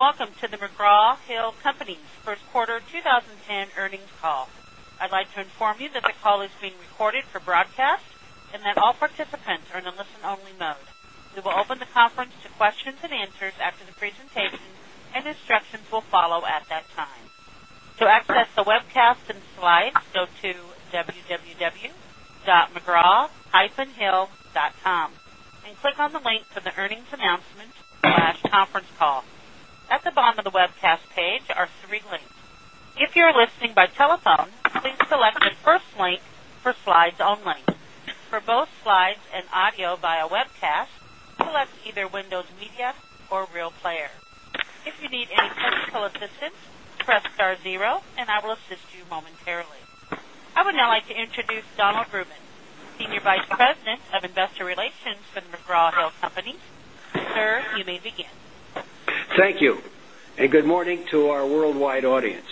Welcome to the McGraw Hill Company's First Quarter 20 10 Earnings Call. I'd like to inform you that the call is being recorded for broadcast and that all participants are in a listen only mode. We will open the conference to questions and answers after the presentation and instructions will follow at that time. To access the webcast and slides, go to www.mcgrawhill .com and click on the link to the earnings announcementconference call. At the bottom of the webcast page are 3 links. If you're listening by telephone, please select the first link for slides only. For both slides and audio via webcast, select either Windows Media or RealPlayer. I would now like to introduce Donald Brumman, Senior Vice President of Investor Relations for McGraw Hill Company. Sir, you may begin. Thank you, and good morning to our worldwide audience,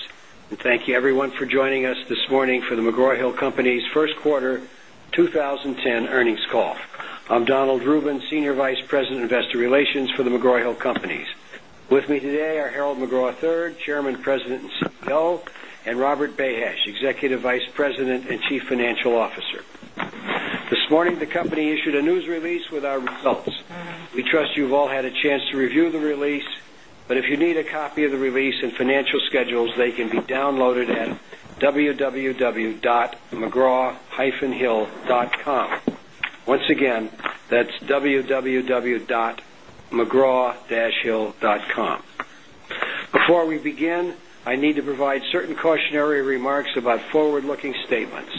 and thank you, everyone, for joining us this morning for The McGraw Hill Company's Q1 20 and earnings call. I'm Donald Rubin, Senior Vice President, Investor Relations for The McGraw Hill Companies. With me today are Harold McGraw, and Chairman, President and CEO and Robert Behash, Executive Vice President and Chief Financial Officer. This morning, We issued a news release with our results. We trust you've all had a chance to review the release, but if you need a copy of the release and financial Again, I need to provide certain cautionary remarks about forward looking statements.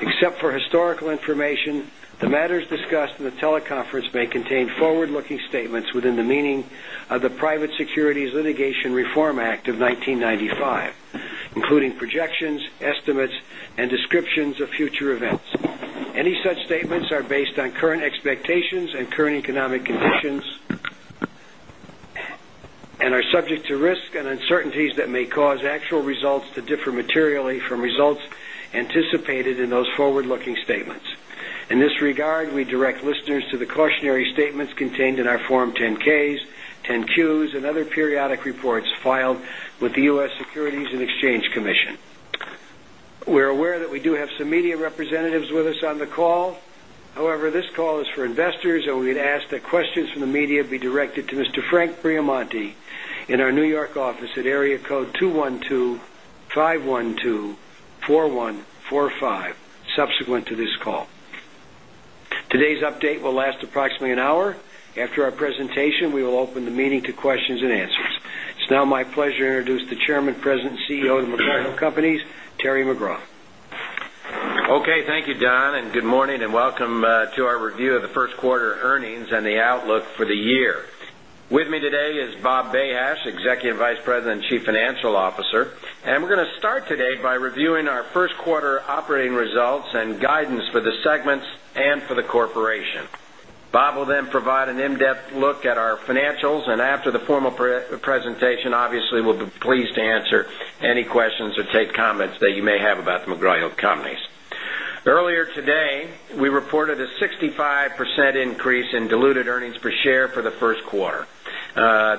Except for historical information, the matters discussed in the teleconference may contain forward looking statements within the meaning of the Private Securities Litigation Reform Act of 1995, including projections, estimates and descriptions of future events. Any such statements are based on current expectations and current economic conditions and are subject to risks and uncertainties that may cause actual results to differ materially from results and recorded in those forward looking statements. In this regard, we direct listeners to the cautionary statements contained in our Form 10 and other periodic reports filed with the U. S. Securities and Exchange Commission. We are aware that we do have Media representatives with us on the call. However, this call is for investors, and we'd ask that questions from the media be directed to Mr. Frank Bria Monte in our New York office It will last approximately an hour. After our presentation, we will open the meeting to questions and answers. It's now my pleasure to introduce the Chairman, President and CEO of the Macdonald Companies, Terry Okay. Thank you, Don, and good morning, and welcome to our review of the Q1 earnings and the outlook for the year. With me today is Bob Behash, Executive Vice President and Chief Financial Officer, and we're going to start today by reviewing our first quarter operating results and guidance for the segments and for the corporation. Bob will then provide an in-depth look at our financials and after for the formal presentation. Obviously, we'll be pleased to answer any questions or take comments that you may have about the McGraw Hill Companies. Earlier today, we reported The 65% increase in diluted earnings per share for the Q1,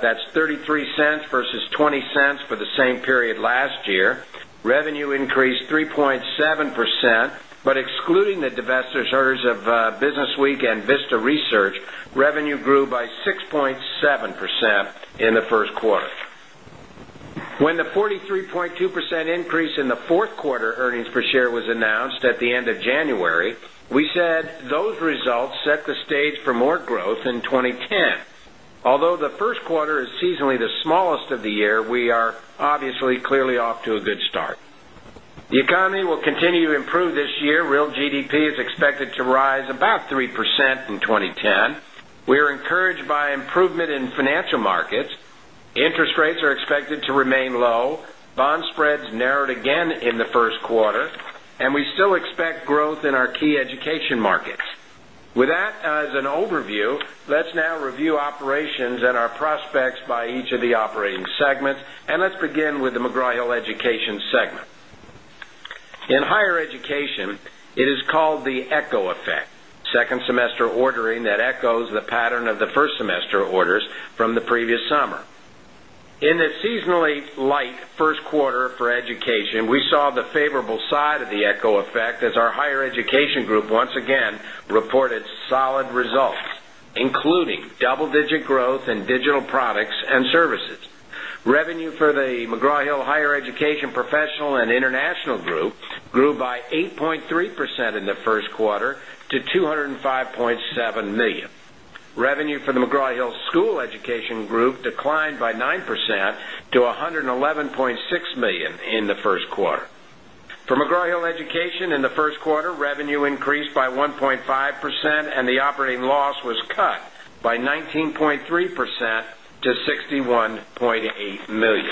that's 0 point The same period last year, revenue increased 3.7%, but excluding the divestitures of and services. Our next question comes from the line of Chris Turnquist Research. Revenue grew by 6.7% in the Q1. When the 43.2% increase in the 4th quarter earnings per share was announced at the end of January. We said those results set the stage for more growth in 2010. Although the Q1 is seasonally the smallest of the year, we are obviously clearly off to a good start. The economy will Rates are expected to remain low. Bond spreads narrowed again in the Q1, and we still expect growth in our key education markets. With that as an overview, let's now review operations and our prospects by each of the operating segments, And let's begin with the McGraw Hill Education segment. In higher education, it is called the echo effect, and the 2nd semester ordering that echoes the pattern of the 1st semester orders from the previous summer. In the seasonally light 1st quarter for education, we saw the favorable side of the echo effect as our higher education group once again reported solid results, including double digit growth in digital products and services. Revenue for the McGraw Hill Higher Education Water. For McGraw Hill Education, in the Q1, revenue increased by 1.5% and the operating loss was cut by 19 0.3% to $61,800,000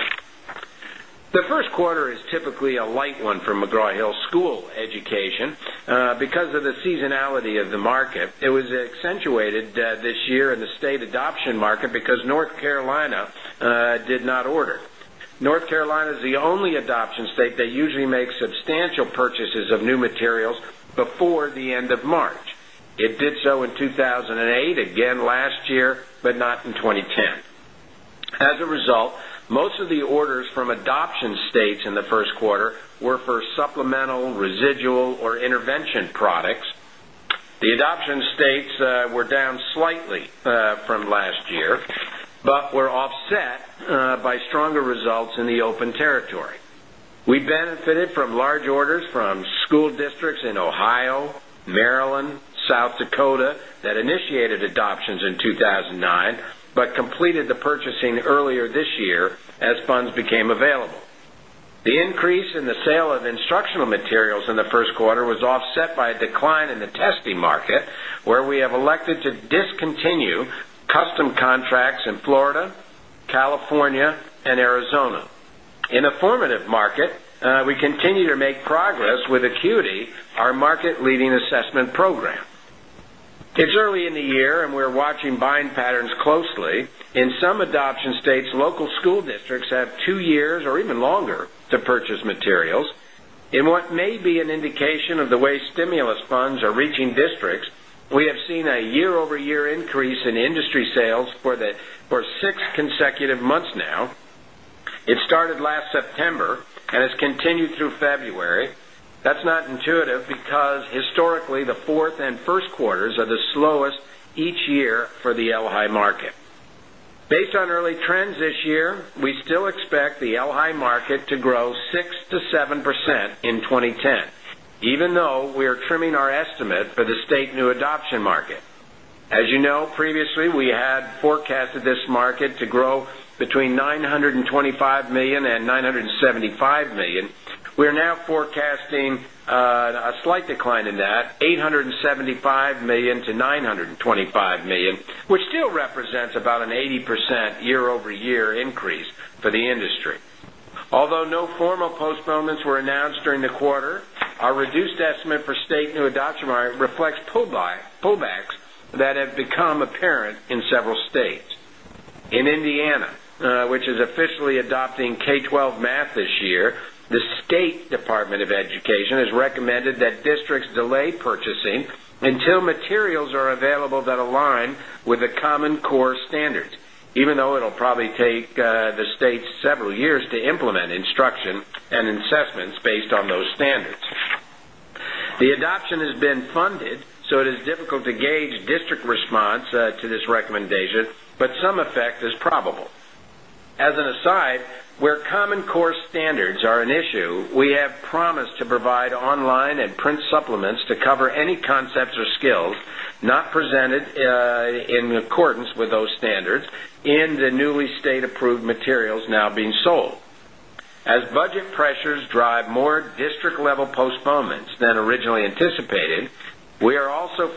The Q1 is typically a light one for McGraw Hill School Education Because of the seasonality of the market, it was accentuated this year in the state adoption market because North Carolina did not order. North Carolina is the only adoption state that usually makes substantial purchases of Carolina is the only adoption state that usually makes substantial purchases of new materials before the end of March. It did so 1st quarter were for supplemental residual or intervention products. The adoption states were We benefited from large orders from school districts in Ohio, Maryland, South Dakota that initiated adoptions in 2019, but completed the purchasing earlier this year as funds became available. The increase in the sale of instructional materials in the The quarter was offset by a decline in the testing market where we have elected to discontinue custom contracts in Florida, California and Arizona. In a formative market, we continue to make progress with Acuity, our market leading assessment program. It's early in the year and we're watching buying patterns closely. In some adoption states, local school districts have 3 year increase in industry sales for 6 consecutive months now. It started last September and as continued through February. That's not intuitive because historically the 4th and first quarters are the slowest each year for the Lihai market. Based on early trends this year, we still expect the Lihai market to grow 6% to 7% in 2010, even though we are trimming our estimate for the state new adoption market. As you know, previously, we had Forecasted this market to grow between $925,000,000 $975,000,000 We are now forecasting a slight decline That $875,000,000 to $925,000,000 which still represents about an 80% year over year increase for the industry. Although no formal postponements were announced during the quarter, our reduced estimate for state new aducheme reflects pullbacks that have become I'm apparent in several states. In Indiana, which is officially adopting K-twelve math this year, the state Department of Education has Recommended that districts delay purchasing until materials are available that align with the Common Core Standards, even though it will probably take the States several years to implement instruction and assessments based on those standards. The adoption has been Side, where common core standards are an issue, we have promised to provide online and print supplements to cover any concepts or skills not presented in accordance with those standards in the newly state approved materials now being As budget pressures drive more district level postponements than originally anticipated, we are also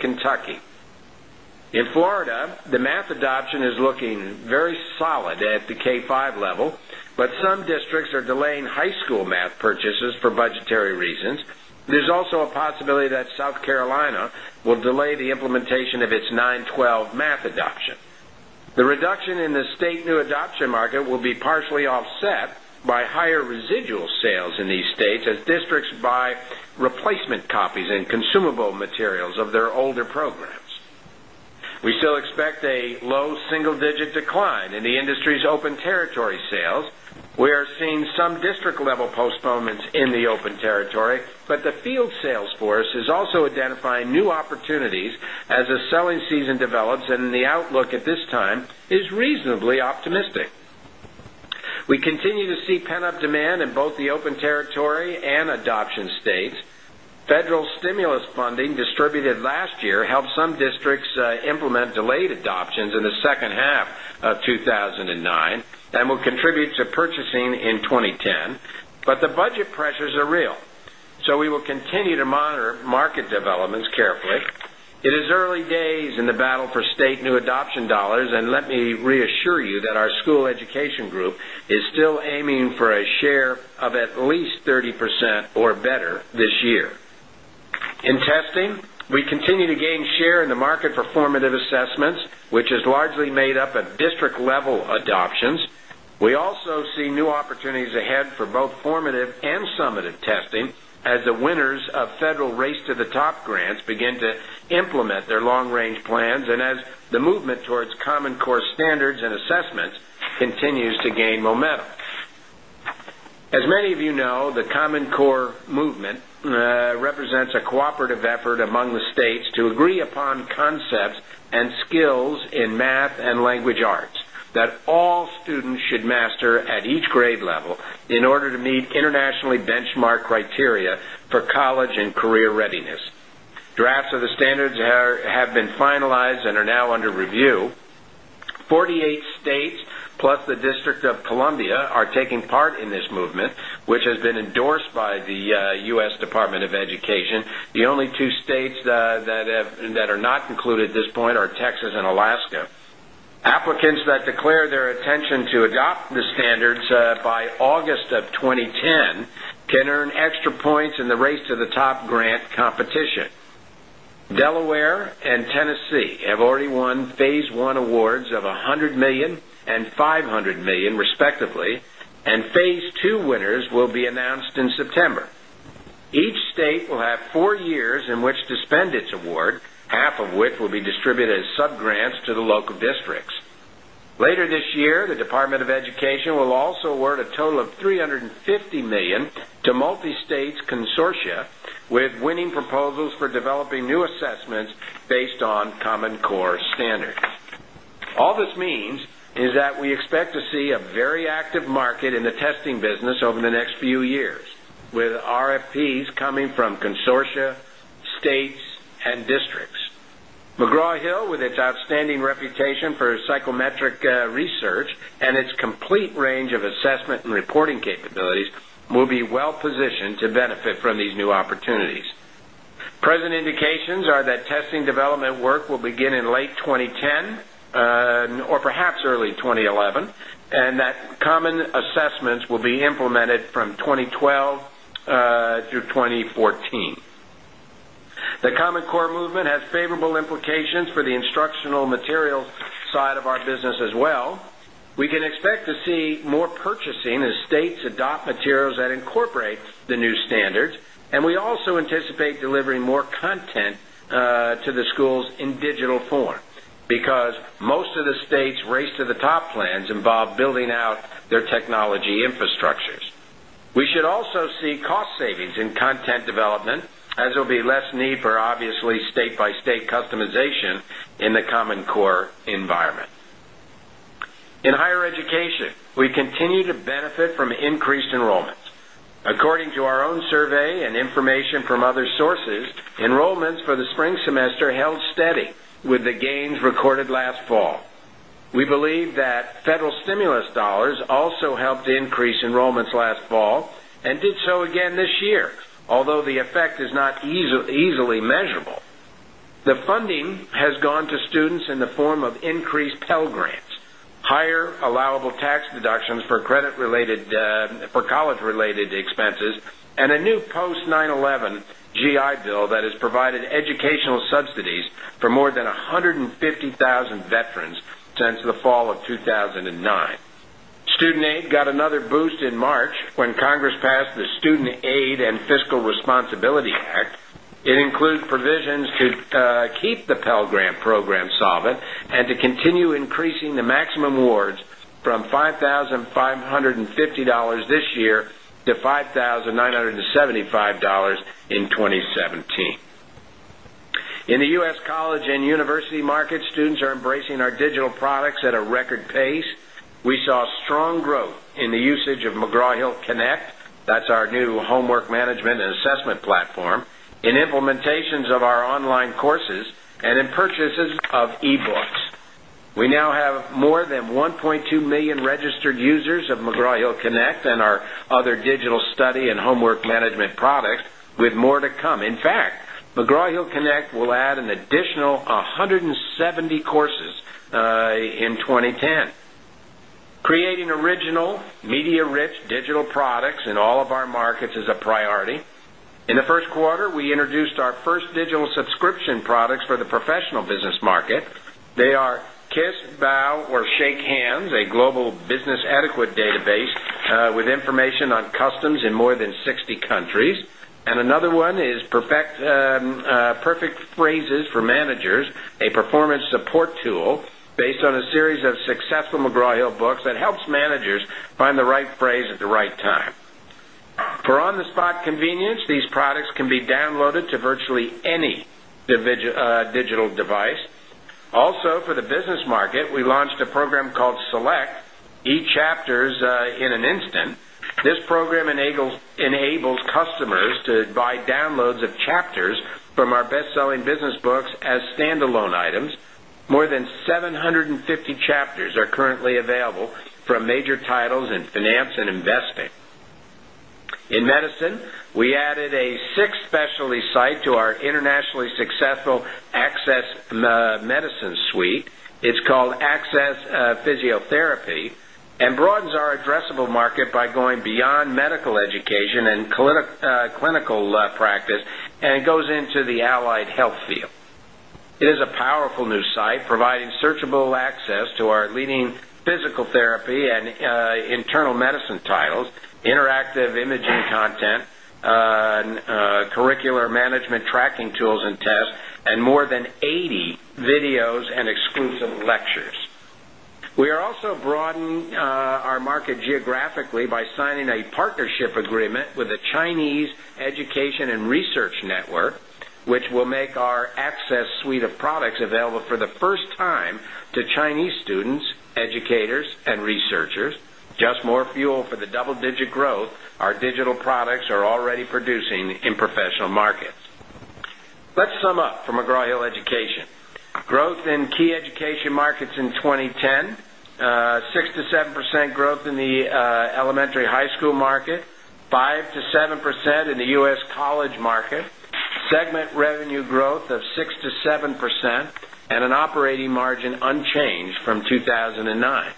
Kentucky. In Florida, the math adoption is looking very solid at the K-five level, but some districts are delaying high school math purchases for budgetary reasons. There's also a possibility that South Carolina will delay the implementation of its nine twelve math adoption. The reduction in the state new adoption market will be partially offset by higher residual sales in these Single digit decline in the industry's open territory sales, we are seeing some district level postponements in the open territory, but the field Salesforce is also identifying new opportunities as the selling season develops and the outlook at this time is reasonably optimistic. We We continue to see pent up demand in both the open territory and adoption states. Federal stimulus funding distributed last year helped some districts to implement delayed adoptions in the second half of two thousand and nine and will contribute to purchasing in 2010, but the budget pressures are real. So we will continue to monitor market developments carefully. It is early days in the battle for state new adoption dollars, and let me Reassure you that our school education group is still aiming for a share of at least 30% or better this year. In testing, We continue to gain share in the market for formative assessments, which is largely made up of district level adoptions. We also see new opportunities ahead for Both formative and summative testing as the winners of federal Race to the Top grants begin to implement their long range plans and as the movement towards Common Core Standards and Assessments continues to gain momentum. As for college and career readiness. Drafts of the standards have been finalized and are now under review. 48 states Plus, the District of Columbia are taking part in this movement, which has been endorsed by the U. S. Department of Education. The only two states and that are not concluded at this point are Texas and Alaska. Applicants that declare their attention to adopt the standards By August of 2010, can earn extra points in the Race to the Top grant competition. Delaware and Tennessee have already won Phase 1 awards of $100,000,000 $500,000,000 and Phase 2 winners will be announced in September. Each state will have 4 years in which to and its award, half of which will be distributed as sub grants to the local districts. Later this year, the Department of Education will Also word a total of $350,000,000 to Multistate's Consortia with winning proposals for developing new assessments based on common All this means is that we expect to see a very active market in the testing business over the next few years with RFPs He's coming from consortia, states and districts. McGraw Hill with its outstanding reputation for and its complete range of assessment and reporting capabilities will be well positioned to benefit from these new opportunities. Present indications are that testing development work will begin in late 2010 or perhaps early 2011 and that common assessments will be For the instructional materials side of our business as well, we can expect to see more purchasing as states adopt materials that incorporate the new standards and we also anticipate delivering more content to the schools in digital form because most To the state's Race to the Top plans involve building out their technology infrastructures. We should also see cost savings in content development as there will be less need for obviously state by state customization in the Common Core environment. In higher education, we enrollments last fall and did so again this year, although the effect is not easily measurable. The funding has gone to Students in the form of increased Pell Grants, higher allowable tax deductions for credit related for college related expenses And a new post-nineeleven GI Bill that has provided educational subsidies for more than 150,000 veterans since the fall of 2009. Student Aid got another boost in March when Congress passed the Student Aid and Fiscal The maximum awards from $5,550 this year to $5,975 in 20.17. In the U. S. College and university markets, students are embracing our digital products at a record pace. We saw Strong growth in the usage of McGraw Hill Connect, that's our new homework management and assessment platform, in implementations of our online and courses and in purchases of e books. We now have more than 1,200,000 registered users of McGraw Hill Connect And our other digital study and homework management products with more to come. In fact, McGraw Hill Connect will add an Additional 170 courses in 2010. Creating original media rich digital products in all of our markets is a priority. In the Q1, we introduced our first digital and subscription products for the professional business market. They are kiss, bow or shake hands, a global business adequate database with information on customs in more than 60 countries and another one is perfect phrases for managers, a performance support tool based on a series of successful McGraw Hill books that helps managers find the right phrase at the right time. For For on the spot convenience, these products can be downloaded to virtually any digital device. Also For the business market, we launched a program called Select, eChapters in an instant. This program enables customers to by downloads of chapters from our best selling business books as standalone items. More than 7 50 And a 6th specialty site to our internationally successful Access Medicine Suite. It's called and goes into the allied health field. It is a powerful new site providing searchable access to our leading physical therapy and internal medicine titles, interactive imaging content, curricular management tracking tools and tests and more than 80 videos and exclusive lectures. We are also broadening our market geographically by signing a partnership agreement with the Chinese Education and Research Network, which will make our Access suite of products available for the first time and commercial markets. Let's sum up for McGraw Hill Education. Growth in key education markets in 2010, 6% to 7% growth in The elementary high school market, 5% to 7% in the U. S. College market, segment revenue growth of 6% to 7% and an operating margin unchanged from 2,009.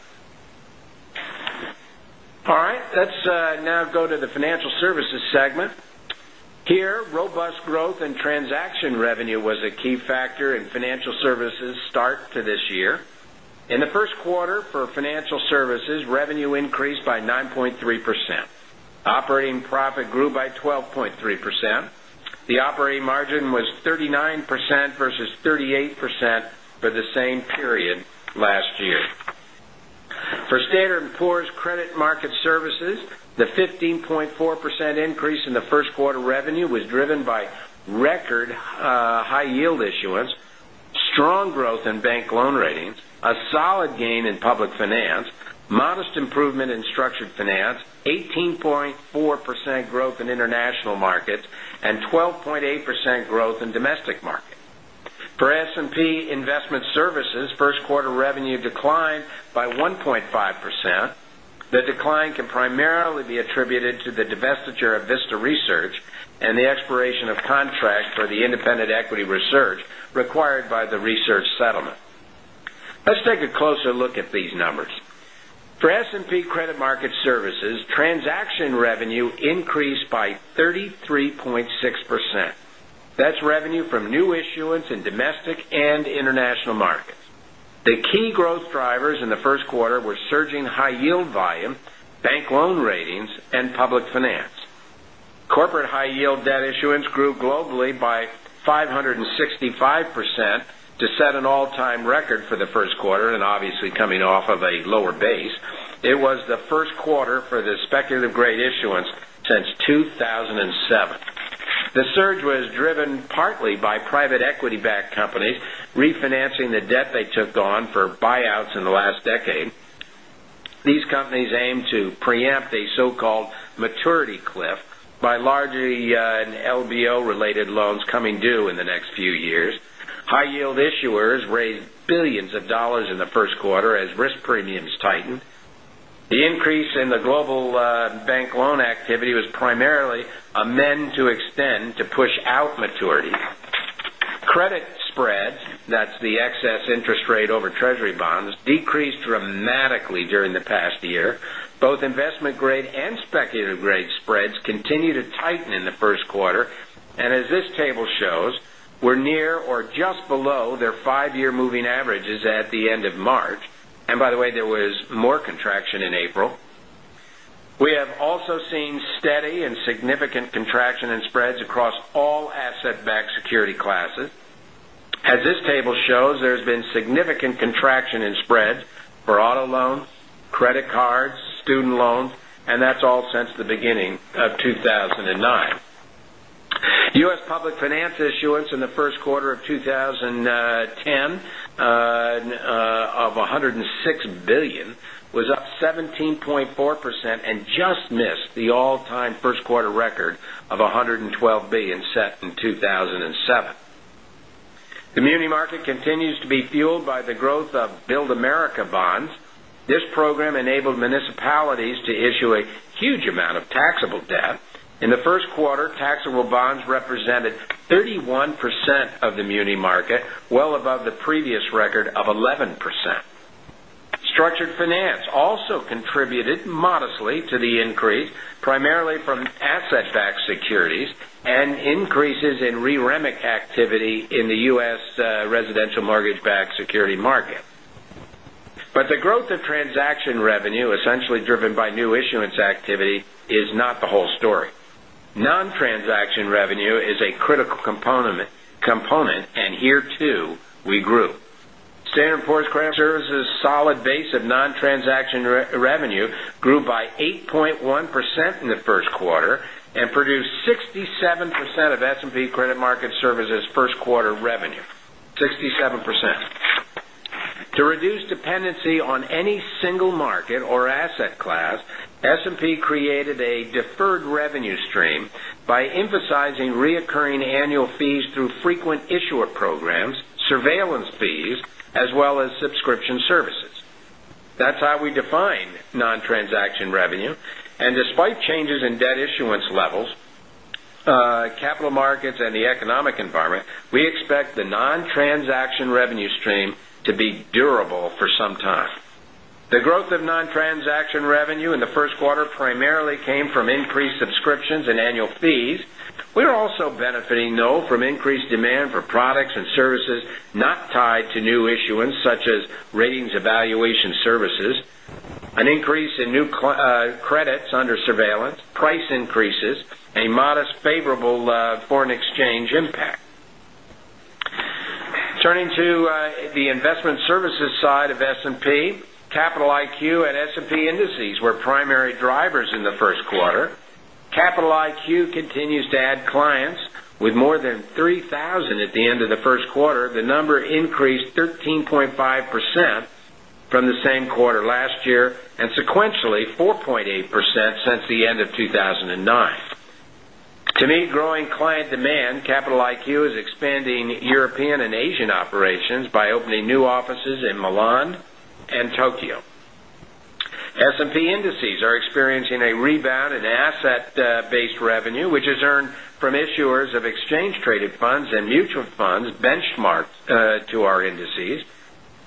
All right. Let's now go to the Financial Services segment. Here, robust growth in transaction revenue was a key factor in Financial Services' start this year. In the Q1, for financial services, revenue increased by 9.3%. Operating profit grew by 12 point The operating margin was 39% versus 38% for the same period last year. For Standard and Poor's Credit Market Services, the 15.4% increase in the 1st quarter revenue was driven by record high yield issuance, strong growth in bank loan ratings, a solid gain in public finance, modest improvement in structured finance, 18.4% growth in international markets and 12.8% growth in domestic market. For S and P Investment Services, 1st quarter revenue declined by 1.5%. The decline can primarily be attributed to the divestiture of Vista Research and the expiration of and the expiration of contract for the independent equity research required by the research settlement. Let's take a closer look at these numbers. For S S and P Credit Market Services transaction revenue increased by 33.6 percent. That's revenue from new issuance in domestic and international markets. The key growth drivers in the Q1 were surging high yield volume, bank loan ratings and public finance. Corporate high yield debt issuance grew globally by 560 5% to set an all time record for the Q1 and obviously coming off of a lower base. It was the Q1 for the speculative grade issuance since 2,007. The surge was driven partly by private equity backed companies refinancing the that they took on for buyouts in the last decade. These companies aim to preempt a so called maturity cliff by largely and LBO related loans coming due in the next few years. High yield issuers raised 1,000,000,000 of dollars in the first As risk premiums tighten, the increase in the global bank loan activity was primarily amend to extend to Push out maturity. Credit spreads, that's the excess interest rate over treasury bonds, decreased dramatically during the past year. Both investment grade and speculative grade spreads continue to tighten in the Q1. And as this table shows, we're near or just below their 5 year Moving averages at the end of March. And by the way, there was more contraction in April. We have also seen steady and Significant contraction in spreads across all asset backed security classes. As this table shows, there has been significant contraction in spreads for auto loans, credit cards, U. S. Public finance issuance in the Q1 of 2010 of 100 and $6,000,000,000 was up 17.4 percent and just missed the all time first quarter record of $112,000,000,000 set in This program enabled municipalities to issue a huge amount of taxable debt. In the Q1, taxable bonds represented 31% of the muni Okay, well above the previous record of 11%. Structured Finance also contributed modestly to the increase primarily from asset backed securities and increases in re REMIC activity in the U. S. Residential mortgage backed security market. But The growth of transaction revenue essentially driven by new issuance activity is not the whole story. Non transaction Revenue is a critical component and here too we grew. Standard Forest Grant Services' Solid base of non transaction revenue grew by 8.1% in the Q1 and produced 67% of S and P Credit Market Services 1st quarter revenue, 67%. To reduce dependency on any single market or asset S and P created a deferred revenue stream by emphasizing reoccurring annual fees through frequent issuer programs, surveillance fees as well as subscription services. That's how we define non transaction revenue. And And despite changes in debt issuance levels, capital markets and the economic environment, we expect the non transaction revenue stream to be durable for some time. The growth of non transaction revenue for some time. The growth of non transaction revenue in the Q1 primarily came from increased subscriptions and annual fees. We are also benefiting though from increased demand for products and services not tied to new issuance such as ratings evaluation an increase in new credits under surveillance, price increases, a modest favorable foreign exchange impact. Turning to the Investment Services side of S and P, Capital IQ and S and P Indices were primary drivers In the Q1, Capital IQ continues to add clients with more than 3,000 at the end of the first since the end of 2009. To me, growing client demand, Capital IQ is expanding European and Asian operations by opening new offices in Milan and Tokyo. S and P indices are experiencing a rebound in asset based revenue, which is earned from issuers of exchange traded funds and mutual funds benchmarked to our indices.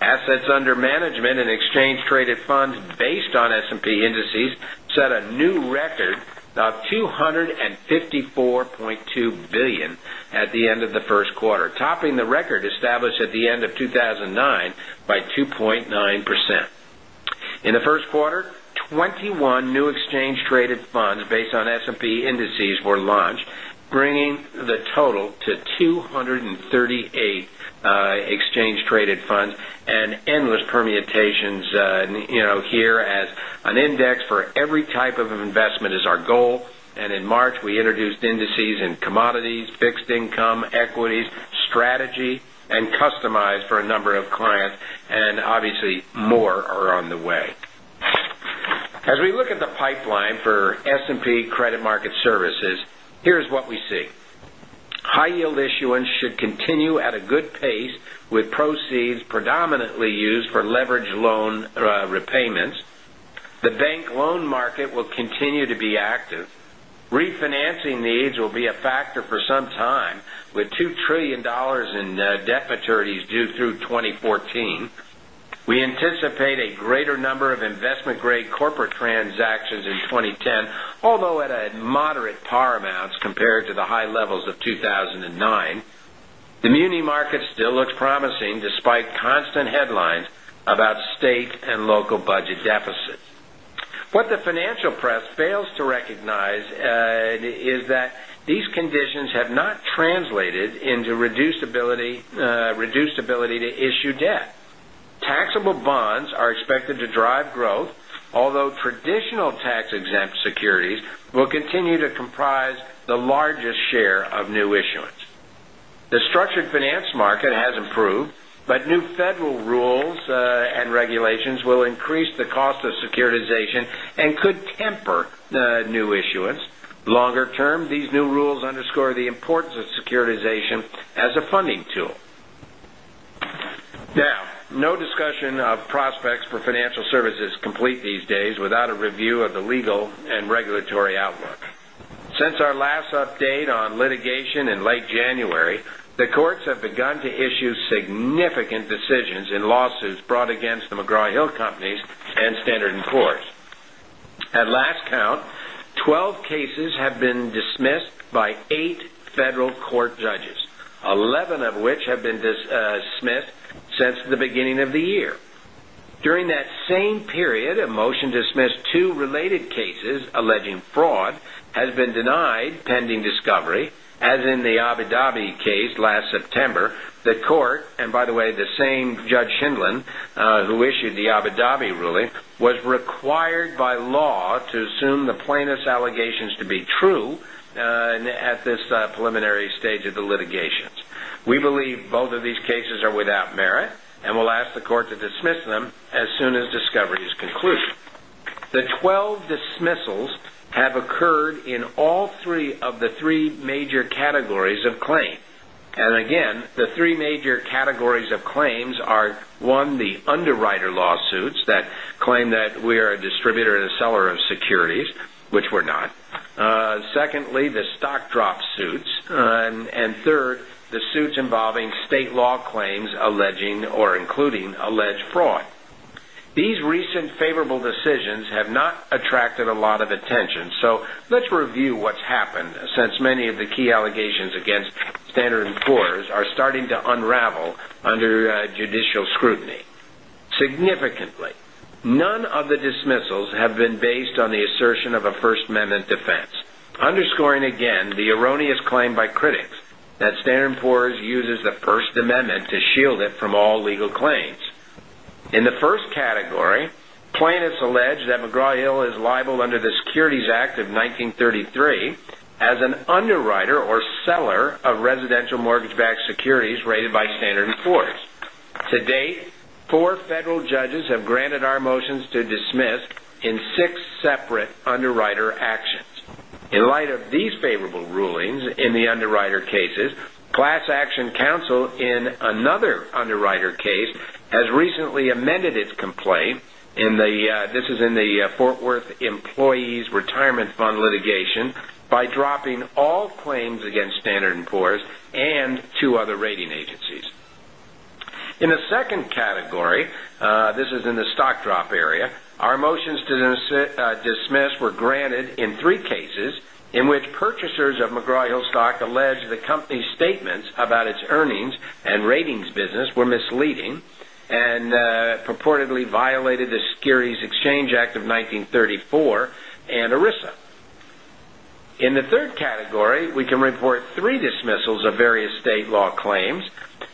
Assets under management and exchange Change traded funds based on S and P indices set a new record of 254.2 1,000,000,000 at the end of the Q1, topping the record established at the end of 2,009 by 2.9%. In the Q1, 21 new exchange traded funds based on S and P indices were launched, bringing the total The 2.38 exchange traded funds and endless permutations here as an index strategy and customized for a number of clients and obviously more are on the way. As As we look at the pipeline for S and P Credit Market Services, here's what we see. High yield issuance should The bank loan market will continue to be active. Refinancing needs will be a factor for some time with 2,000,000,000,000 Dollars and debt maturities due through 2014. We anticipate a greater number of investment grade corporate transactions in 2010, although at a moderate par amounts compared to the high levels of 2,009, the muni market still looks promising despite and headlines about state and local budget deficits. What the financial press fails to recognize is that these conditions Have not translated into reduced ability to issue debt. Taxable bonds are Are expected to drive growth, although traditional tax exempt securities will continue to comprise the largest share of new issuance. The structured finance market has improved, but new federal rules and regulations will increase the cost of securitization Now, no discussion of prospects for financial services complete these days without and review of the legal and regulatory outlook. Since our last update on litigation in late January, the courts have begun to issue Twelve cases have been dismissed by 8 federal court judges, 11 of which have been dismissed since Been denied pending discovery as in the Abu Dhabi case last September. The court and by the way, the same Judge Schindlin, who issued the Abu The dummy ruling was required by law to assume the plaintiff's allegations to be true at this preliminary stage of the litigations. We The 12 dismissals have occurred in all three of the 3 major categories of claim. And again, the 3 Major categories of claims are 1, the underwriter lawsuits that claim that we are a distributor and a seller of securities, which we're not. Secondly, the stock drop suits and third, the suits involving state law claims alleging or including These recent favorable decisions have not attracted a lot of attention. So let's review What's happened since many of the key allegations against Standard and Poor's are starting to unravel under judicial scrutiny. Significantly, none of the dismissals have been based on the assertion of a First Amendment defense, underscoring again the erroneous claim by critics that And for us, it uses the First Amendment to shield it from all legal claims. In the first category, plaintiffs alleged that McGraw Hill is liable under the Securities Act of 1933 as an underwriter or seller of residential mortgage backed securities rated by Standard and Poor's. To 4 federal judges have granted our motions to dismiss in 6 separate underwriter actions. In light of these favorable rulings in the underwriter cases. Class Action Council in another underwriter case has recently amended its complaint in the this In the Fort Worth Employees Retirement Fund litigation by dropping all claims against Standard and Poor's and 2 other rating agencies. In the second category, this is in the stock drop area, our motions to dismiss were granted in 3 cases in which Purchasers of McGraw Hillstock alleged the company's statements about its earnings and ratings business were misleading and purportedly violated the Securities Exchange Act of 1934 and ERISA. In the 3rd category, we can report 3 dismissals of various state law claims.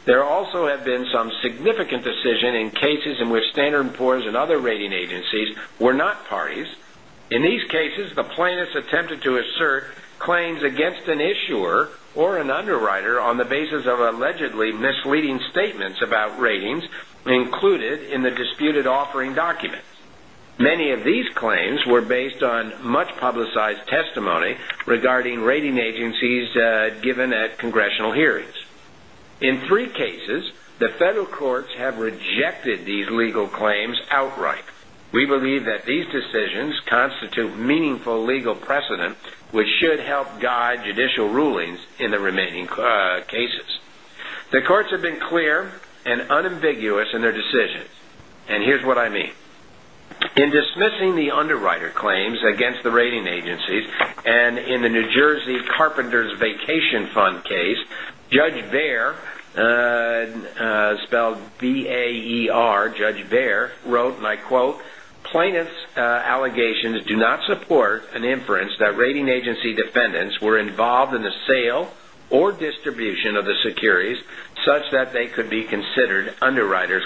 There also have been some significant decision in cases in which Standard and Poor's and other rating agencies were not parties. In these The plaintiffs attempted to assert claims against an issuer or an underwriter on the basis of allegedly misleading statements ratings included in the disputed offering documents. Many of these claims were based on much publicized testimony regarding rating agencies given at congressional hearings. In 3 cases, the federal courts have rejected these legal claims outright. We believe that these decisions constitute meaningful legal precedent, which should help guide initial rulings in the remaining cases. The courts have been clear and unambiguous in their decisions and here's what I In dismissing the underwriter claims against the rating agencies and in the New Jersey Carpenters Vacation Plaintiff's allegations do not support an inference that rating agency defendants were involved in the sale or distribution of the securities such that they could be considered underwriters.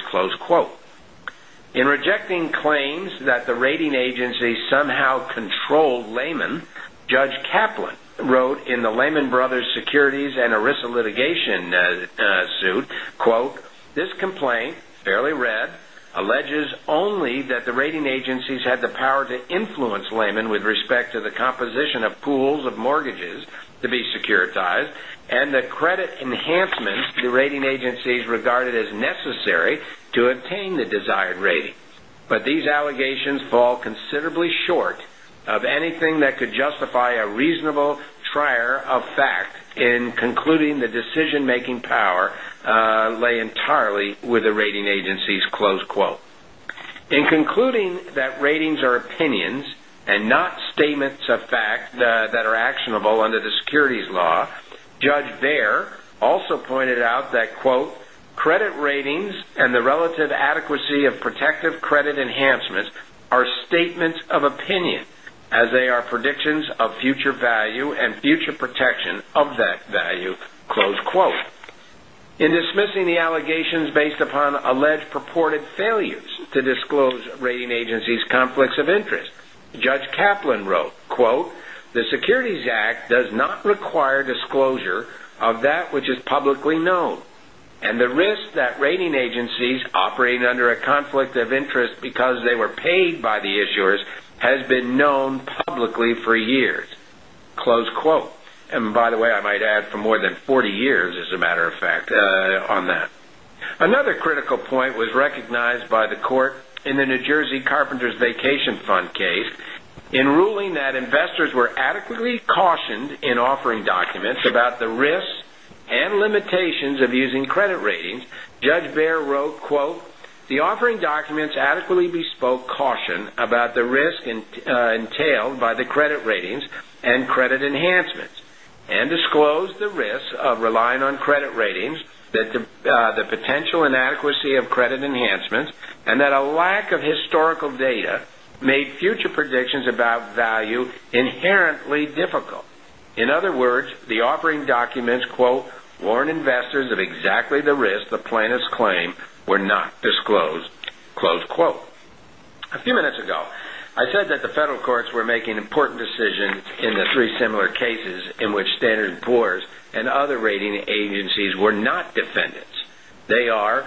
In rejecting claims that the rating agencies somehow controlled Lehman, Judge Kaplan wrote in the Lehman Brothers Securities and Arista Litigation suit, This complaint, fairly read, Alleges only that the rating agencies had the power to influence Lehman with respect to the composition of pools of mortgages to be and the credit enhancements the rating agencies regarded as necessary to obtain the desired rating. These allegations fall considerably short of anything that could justify a reasonable trier of fact in concluding The decision making power lay entirely with the rating agencies. In concluding that ratings are opinions And not statements of fact that are actionable under the securities law. Judge Baer also pointed out that credit ratings and the Relative adequacy of protective credit enhancements are statements of opinion as they are predictions of future value and future protection of that value. In dismissing the allegations based upon alleged purported prior disclosure of that which is publicly known and the risk that rating agencies operating under a conflict of Because they were paid by the issuers has been known publicly for years. And By the way, I might add for more than 40 years, as a matter of fact, on that. Another critical point was recognized by the court in the New Jersey Carpenters Vacation and about the risk entailed by the credit ratings and credit enhancements and disclose the risk of relying on credit ratings, A few minutes ago, I said that the federal courts were making important decisions in The 3 similar cases in which Standard and Poor's and other rating agencies were not defendants. They are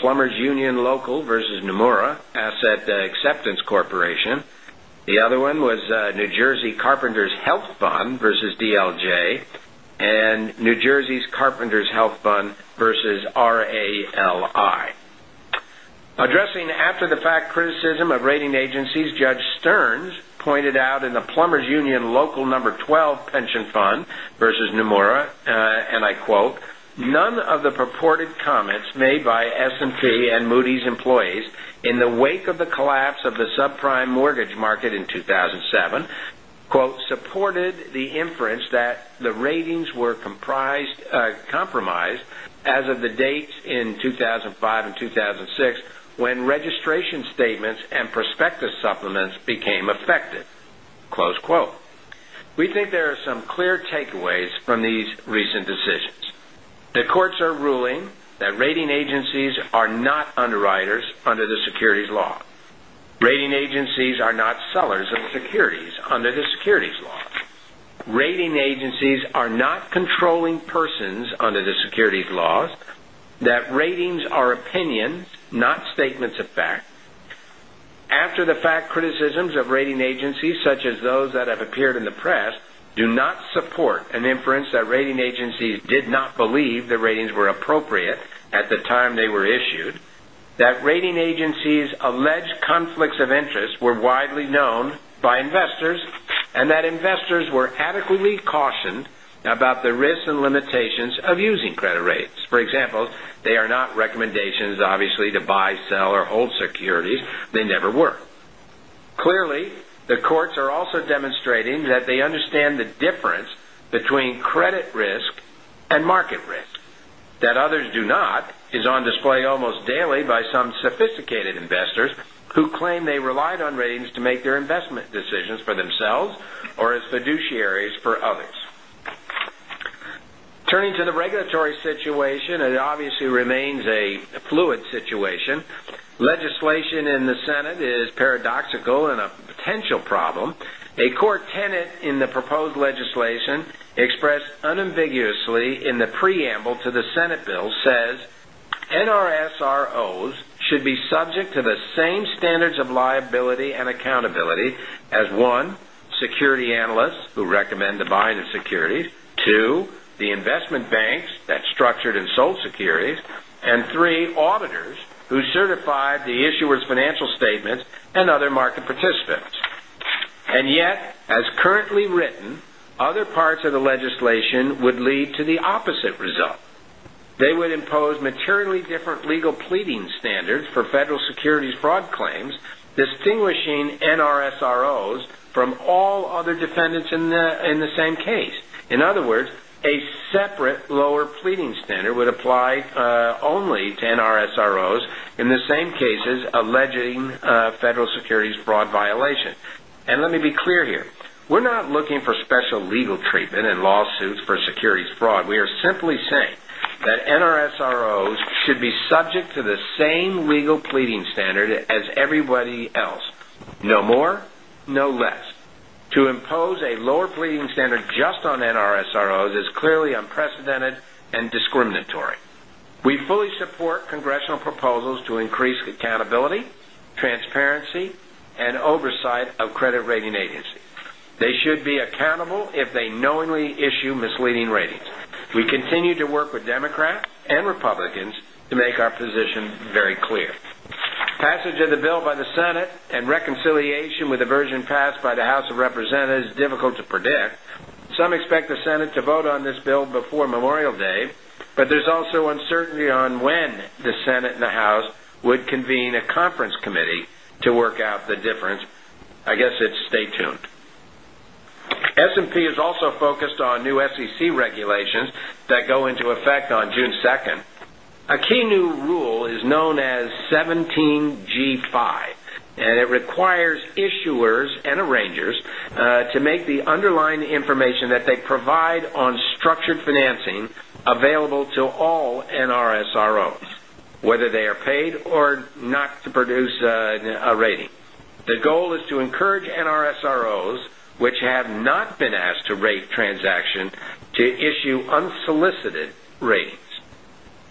Plumbers Union Local versus Nomura Asset Acceptance Corporation. The other one was New Jersey Carpenters Health Fund versus LJ and New Jersey's Carpenters Health Fund versus RALI. Addressing after the fact Criticism of rating agencies Judge Stearns pointed out in the Plumbers Union Local No. 12 Pension Fund versus Nomura, and I quote, none of The purported comments made by S and P and Moody's employees in the wake of the collapse of the subprime mortgage market in 2,007 supported the inference that the ratings were compromised as of the dates In 2005 and 2006, when registration statements and prospectus supplements became effective. We think there are some Clear takeaways from these recent decisions. The courts are ruling that rating agencies are not underwriters under the securities law. Rating agencies are not sellers of securities under the securities law. Rating agencies are not controlling Criticisms of rating agencies such as those that have appeared in the press do not support an inference that rating agencies Did not believe the ratings were appropriate at the time they were issued, that rating agencies' alleged conflicts of interest We're widely known by investors and that investors were adequately cautioned about the risks and limitations of using credit rates. For example, they are not recommendations obviously to buy, sell or hold securities. They never were. Clearly, The courts are also demonstrating that they understand the difference between credit risk and market risk. Sales or as fiduciaries for others. Turning to the regulatory situation, it obviously remains A fluid situation. Legislation in the Senate is paradoxical and a potential problem. A core tenant in the proposed legislation subject to the same standards of liability and accountability as 1, security analysts who recommend to buy the securities 2, the Investment Banks that structured and sold securities and 3, auditors who certified the issuer's financial statements and and other market participants. And yet, as currently written, other parts of the legislation would lead to the They would impose materially different legal pleading standards for federal securities fraud claims, distinguishing NRSROs from All other defendants in the same case. In other words, a separate lower pleading standard would apply only to NRSROs in the same cases alleging federal securities fraud violation. And let me be clear here, we're not For special legal treatment and lawsuits for securities fraud, we are simply saying that NRSROs should be Object to the same legal pleading standard as everybody else, no more, no less. To We support congressional proposals to increase accountability, transparency and oversight of credit rating agencies. They should be accountable Clear. Passage of the bill by the Senate and reconciliation with the version passed by the House of Representatives is difficult to predict. Some Some expect the Senate to vote on this bill before Memorial Day, but there's also uncertainty on when the Senate and the House would convene a conference committee to work out the difference. I guess it's stay tuned. S and P is also focused on new SEC regulations that go into effect on June 2nd, a key new rule is known as 17 gs5, and it requires issuers and arrangers to make the underlying information that they provide on structured financing available to all NRSROs, whether they are paid or not to produce a rating. The goal is to encourage NRSROs, which have not been asked to rate transaction to issue unsolicited ratings.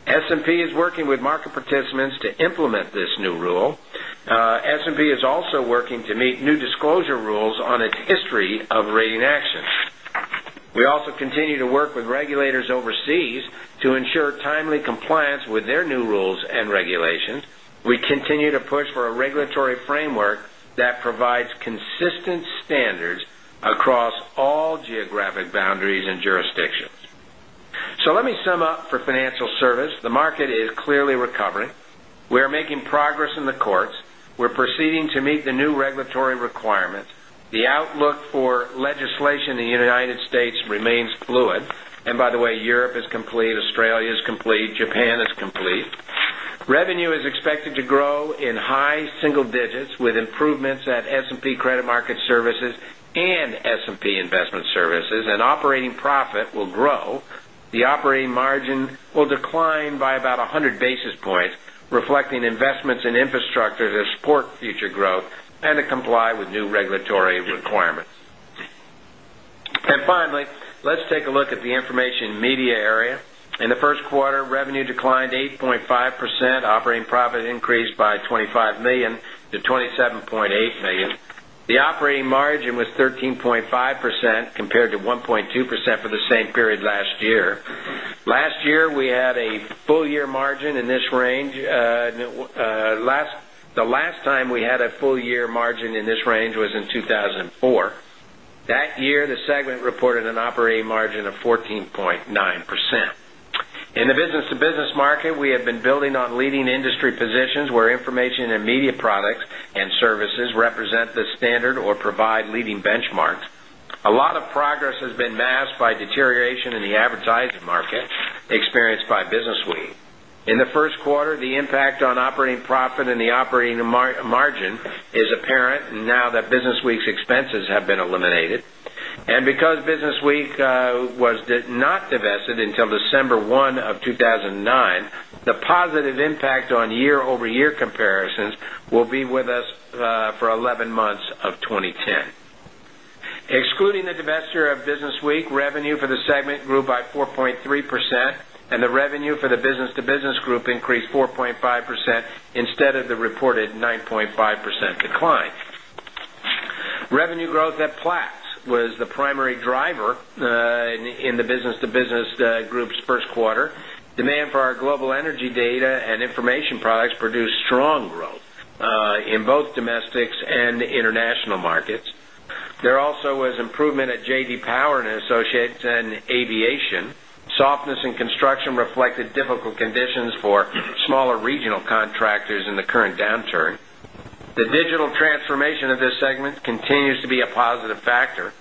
S and P is working with market participants to implement this new S and P is also working to meet new disclosure rules on its history of rating actions. We also continue to work with regulators overseas and consistent standards across all geographic boundaries and jurisdictions. So let me sum up for financial Service, the market is clearly recovering. We are making progress in the courts. We're proceeding to meet the new regulatory requirements. The outlook for legislation in the United States remains fluid. And by the way, Europe is complete, Australia is complete, Japan is complete. Revenue is expected to grow in high single digits with improvements at S and P Credit Market Services and S and P Investment Services and operating profit will grow. The operating margin will decline by about 100 basis points, reflecting investments in And finally, let's take a look at the Information media area. In the Q1, revenue declined 8.5%, operating profit increased by $25,000,000 to to $27,800,000 The operating margin was 13.5% compared to 1.2% for the same period last year. Last year, we We had a full year margin in this range. The last time we had a full year margin in this range was in 2004. That This year, the segment reported an operating margin of 14.9%. In the business to business market, we have been building on leading positions where information and media products and services represent the standard or provide leading benchmarks. A A lot of progress has been masked by deterioration in the advertising market experienced by BusinessWeek. In the Q1, the impact on operating profit and the operating Margin is apparent now that BusinessWeek's expenses have been eliminated. And because BusinessWeek was not Divested until December 1, 2019. The positive impact on year over year comparisons will be with us for 11 months of 20 Excluding the divestiture of BusinessWeek, revenue for the segment grew by 4.3% and the revenue for the business to business group increased 4.5 instead of the reported 9.5% decline. Revenue growth at Platts was the primary driver in The business to business group's Q1, demand for our global energy data and information products produced strong growth in both and international markets. There also was improvement at JD Power and Associates and Aviation. Softness Construction reflected difficult conditions for smaller regional contractors in the current downturn. The digital transformation of this segment continues to be a positive factor.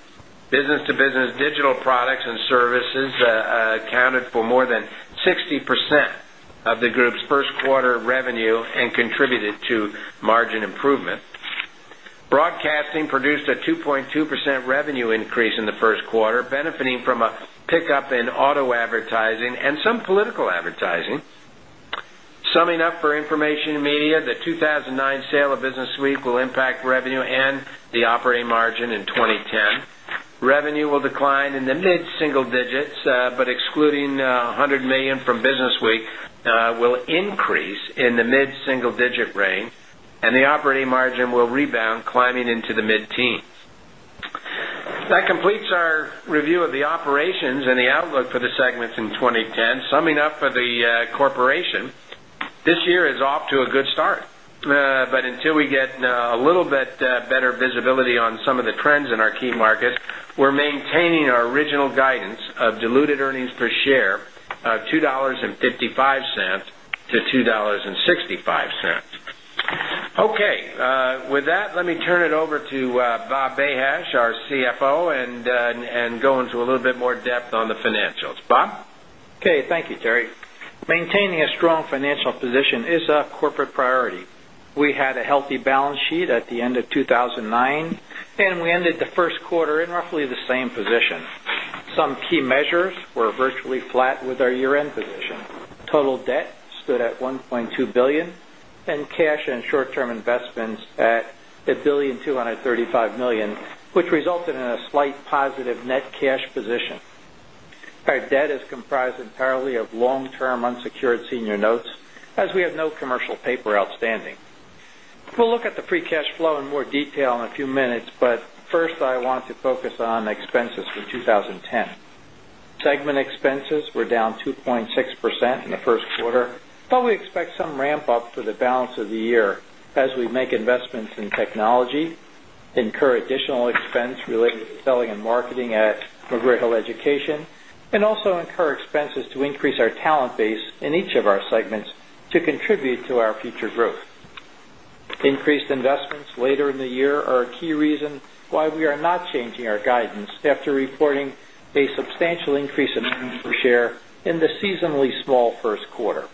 Business to business digital products and services accounted for more than 60% of The 2,009 sale of BusinessWeek will impact revenue and the operating margin in 2010. Revenue will decline in the mid single digits, but Excluding $100,000,000 from BusinessWeek, we'll increase in the mid single digit range and the operating margin will rebound climbing into the mid That completes our review of the operations and the outlook for the segments in 2010. Summing up for The corporation, this year is off to a good start. But until we get a little bit better visibility on Okay. With that, let me turn it over to Bob Behash, our CFO and And go into a little bit more depth on the financials. Bob? Okay. Thank you, Terry. Maintaining a strong financial position is a corporate priority. We had We're virtually flat with our year end position. Total debt stood at $1,200,000,000 and cash and short That is comprised entirely of long term unsecured senior notes as we have no commercial paper outstanding. We'll look at the free cash flow 2.6% in the Q1, but we expect some ramp up for the balance of the year as we make investments in technology, incur for additional expense related to selling and marketing at McGray Hill Education and also incur expenses to increase our talent base in each of our segments guidance after reporting a substantial increase in earnings per share in the seasonally small Q1.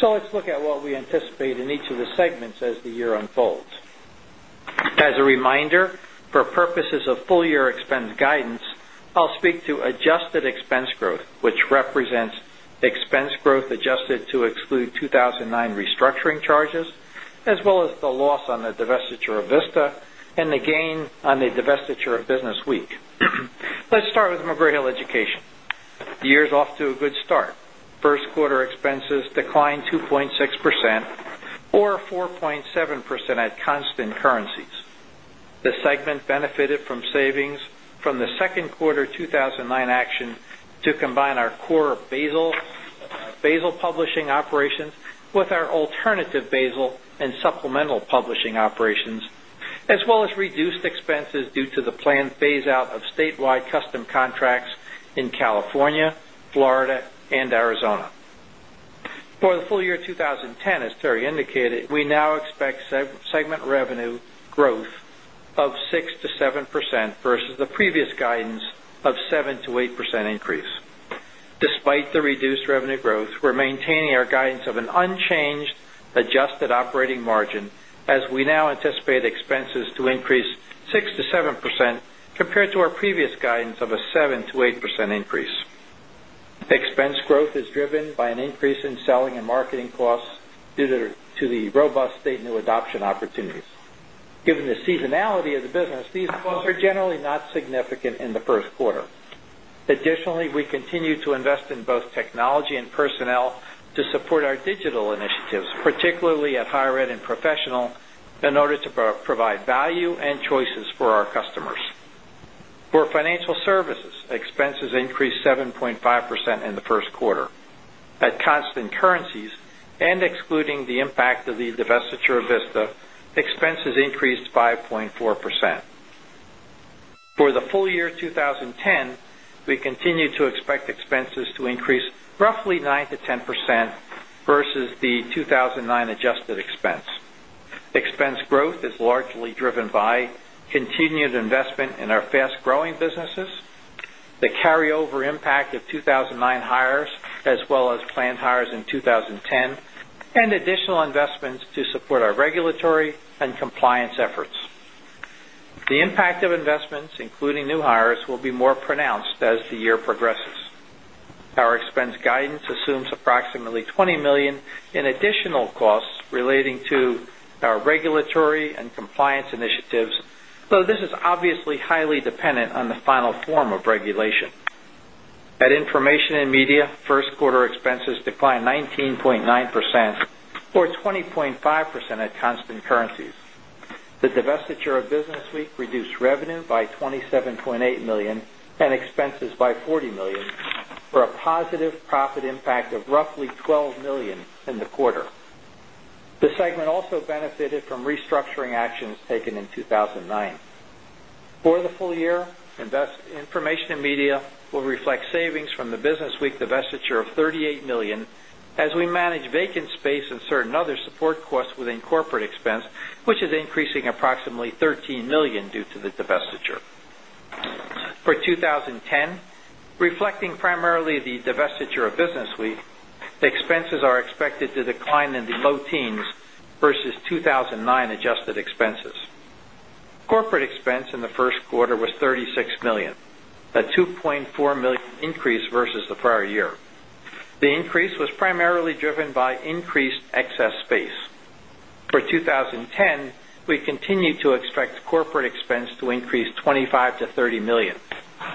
So let's look at what we anticipate in each of the segments as the year unfolds. As a reminder, for purposes of full year expense guidance, I'll speak to and adjusted expense growth, which represents expense growth adjusted to exclude 2,009 restructuring charges as well as the loss on the divestiture of Vista and the gain on the divestiture of Business Week. Let's start with McGraw Hill Education. The year is off to a good start. 1st quarter expenses We have benefited from savings from the Q2 2019 action to combine our core Basel Publishing operations with our alternative Basel and supplemental publishing operations as well as reduced expenses due to the planned phase out of statewide custom contracts in California, Florida and Arizona. For the full year 2010, as Terry indicated, we now expect segment revenue growth of 6% changed adjusted operating margin as we now anticipate expenses to increase 6% to 7% compared to our previous guidance of a 7% to 8 The expense growth is driven by an increase in selling and marketing costs due to the robust state option opportunities. Given the seasonality of the business, these calls are generally not significant in the Q1. Additionally, we continue to invest in both technology and personnel to support our digital initiatives, particularly at Higher Ed and Professional in order to provide value and choices purposes for our customers. For Financial Services, expenses increased 7.5% in the 1st quarter. At constant currencies and excluding the impact of the divestiture of Vista, expenses increased 5.4%. For the full year 2010, we continue to expect expenses to increase roughly 9% This is the 2,009 adjusted expense. Expense growth is largely driven by continued investment in our fast growing purposes, the carryover impact of 2,009 hires as well as planned hires in 20 investments to support our regulatory and compliance efforts. The impact of investments, including new hires, will be more pronounced as the year purposes. Our expense guidance assumes approximately $20,000,000 in additional costs relating to our regulatory and communications, although this is obviously highly dependent on the final form of regulation. At Information and Media, 1st quarter expenses by 19.9% or 20.5% at constant currencies. The divestiture of BusinessWeek reduced revenue by by $27,800,000 and expenses by $40,000,000 for a positive profit impact of roughly $12,000,000 in the quarter. The segment also benefited from restructuring actions taken in 2,009. For For the full year, information and media will reflect savings from the BusinessWeek divestiture of $38,000,000 as we manage vacant space and certain and other support costs within corporate expense, which is increasing approximately $13,000,000 due to the divestiture. For 20 and reflecting primarily the divestiture of BusinessWeek, expenses are expected to decline in the low teens versus 2,009 adjusted expenses. Corporate expense in the Q1 was $36,000,000 a 2,400,000 increase versus the prior year. The increase was primarily driven by increased excess space. For 2010, we continue to expect corporate expense to increase $25,000,000 to $30,000,000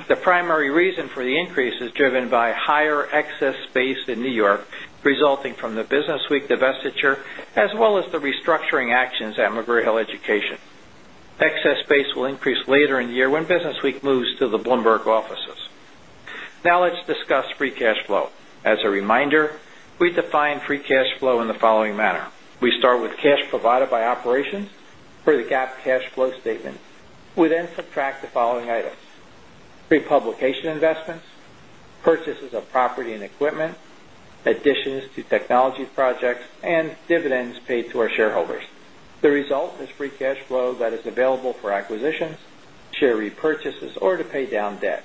The primary The reason for the increase is driven by higher excess space in New York resulting from the BusinessWeek divestiture as well as the restructuring actions at McGray Hill Education. Excess space will increase later in the year when Business Week moves to the Bloomberg purposes. Now let's discuss free cash flow. As a reminder, we define free cash flow in the following manner. We start with cash provided by operations. For the GAAP cash flow statement, we then subtract the following items: and cash flow, cash flow, cash flow, cash flow, cash flow, cash flow, cash flow, cash flow, free cash flow that is available for acquisitions, share repurchases or to pay down debt.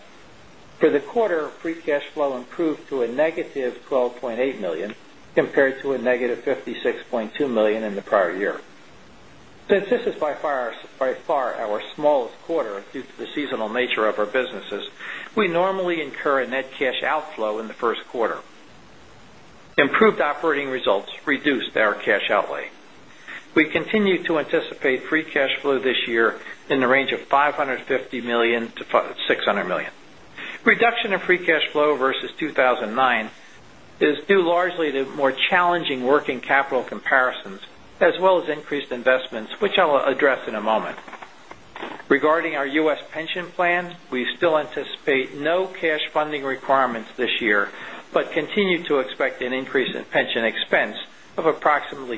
For the quarter, free cash flow flow in the Q1. Improved operating results reduced our cash outlay. We continue to to pay free cash flow this year in the range of $550,000,000 to $600,000,000 Reduction in free cash flow versus 2,009 is due We anticipate no cash funding requirements this year, but continue to expect an increase in pension expense of approximately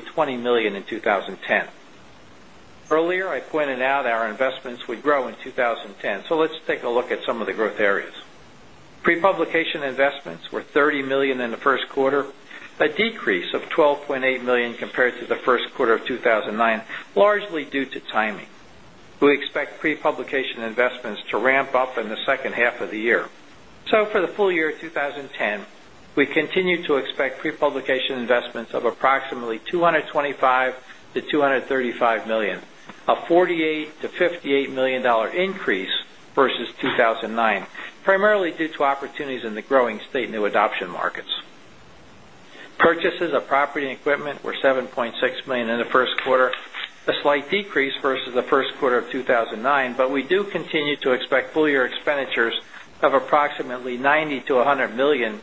Investments were $30,000,000 in the Q1, a decrease of $12,800,000 compared to the Q1 of 2019, largely due to timing. We expect prepublication investments to ramp up in the second half of the year. So for the full year of 2010, We continue to expect prepublication investments of approximately $225,000,000 to $235,000,000 A $48,000,000 to $58,000,000 increase versus 2,009, primarily due to opportunities in the growing state new adoption markets. This is a property and equipment were $7,600,000 in the Q1, a slight decrease versus the Q1 of 2019, but we We continue to expect full year expenditures of approximately $90,000,000 to $100,000,000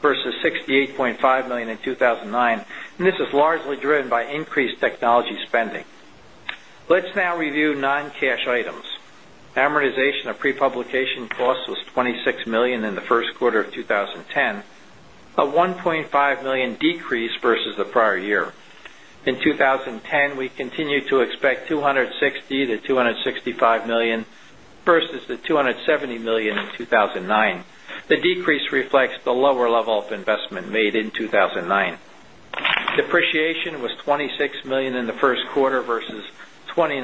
versus $68,500,000 in 2,009, and this 26,000,000 in the Q1 of 2010, a 1,500,000 decrease versus the prior year. In 2010, we We continue to expect $260,000,000 to $265,000,000 versus the $270,000,000 in 2,009. The decrease reflects $9,400,000 in the Q1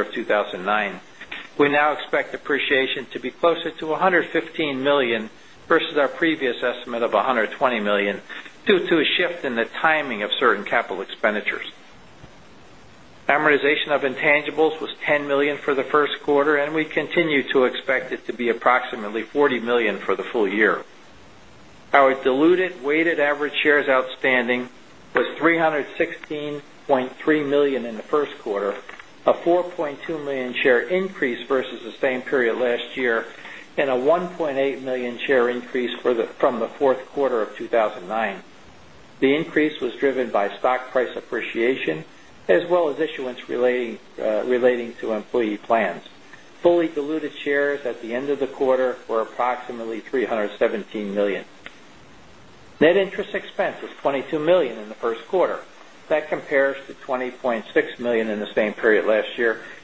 of 2019. We now expect depreciation to be closer to $115,000,000 versus our previous estimate of You too expect it to be approximately $40,000,000 for the full year. Our diluted weighted average shares outstanding was 316 and as well as issuance relating to employee plans. Fully diluted shares at the end of the quarter were approximately 3 $17,000,000 Net interest expense was $22,000,000 in the Q1 that compares to $20,600,000 in the same period last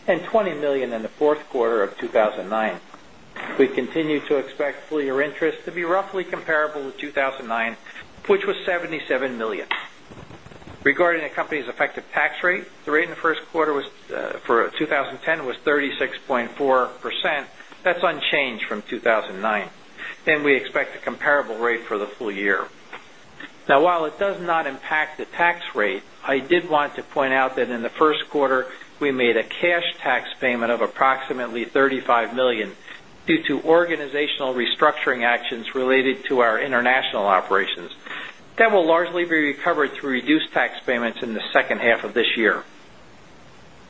and $20,000,000 in the Q4 of 2019. We continue to expect full year interest to be roughly comparable to 2,009, which was 77 Regarding the company's effective tax rate, the rate in the Q1 was for 2010 was 36.4%, that's unchanged from 2,000 and and we expect a comparable rate for the full year. Now while it does not impact the tax rate, I did want to point out that in 1st quarter, we made a cash tax payment of approximately $35,000,000 due to organizational restructuring actions related to our international operations. That will largely be recovered through reduced tax payments in the second half of this year.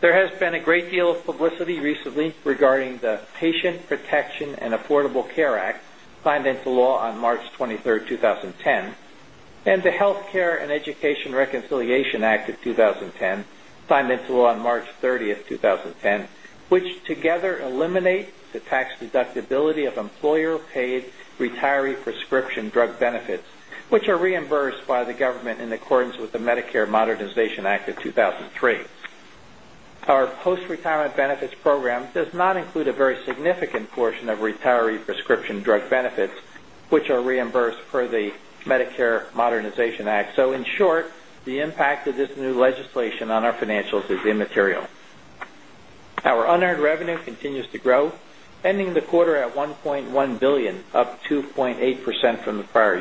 There There has been a great deal of publicity recently regarding the Patient Protection and Affordable Care Act, signed into law on March 23, 2010, and the The tax deductibility of employer paid retiree prescription drug benefits, which are reimbursed by the government in accordance with the and drug benefits, which are reimbursed for the Medicare Modernization Act. So in short, the impact of this new legislation on our and the reconciliation on our financials is immaterial. Our unearned revenue continues to grow ending the quarter at $1,100,000,000 up 2.8 percent from the prior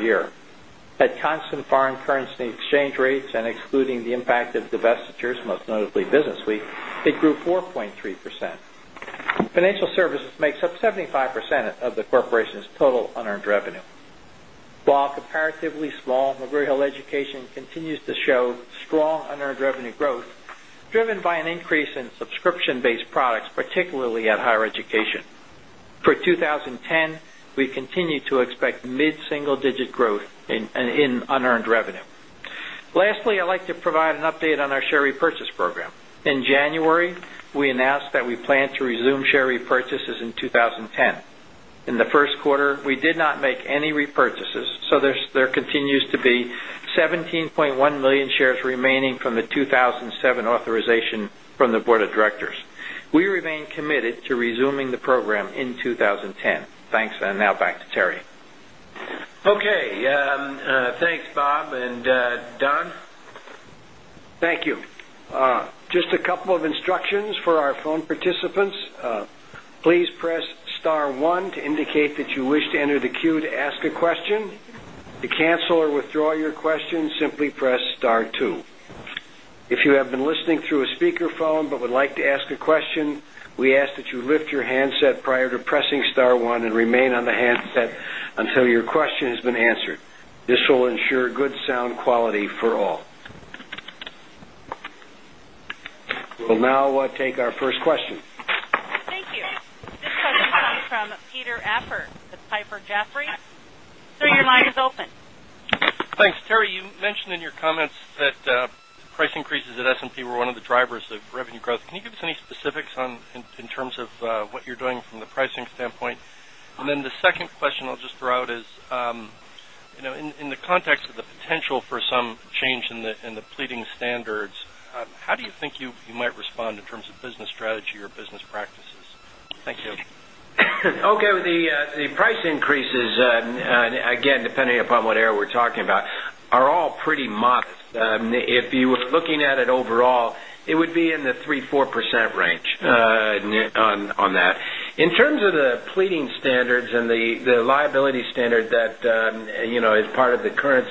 subscription based products, particularly at higher education. For 2010, we continue to expect mid single digit growth in unearned revenue. Lastly, I'd like to provide an update on our share repurchase program. In January, we announced that we plan to resume share repurchases in And now back to Terry. Okay. Thanks, Bob. And Don? Thank you. Just a couple of We We'll now take our first question. Thank you. Coming from Peter Appert with Piper Jaffray. Sir, your line is open. Thanks. Terry, you mentioned in your comments that Price increases at S and P were one of the drivers of revenue growth. Can you give us any specifics on in terms of what you're doing from the pricing standpoint? Then the second question I'll just throw out is, in the context of the potential for some change in the pleading standards, how do you think You might respond in terms of business strategy or business practices. Thank you. Okay. The price increases, again, depending upon We're talking about are all pretty modest. If you were looking at it overall, it would be in the 3%, 4% range On that, in terms of the pleading standards and the liability standard that is part of the current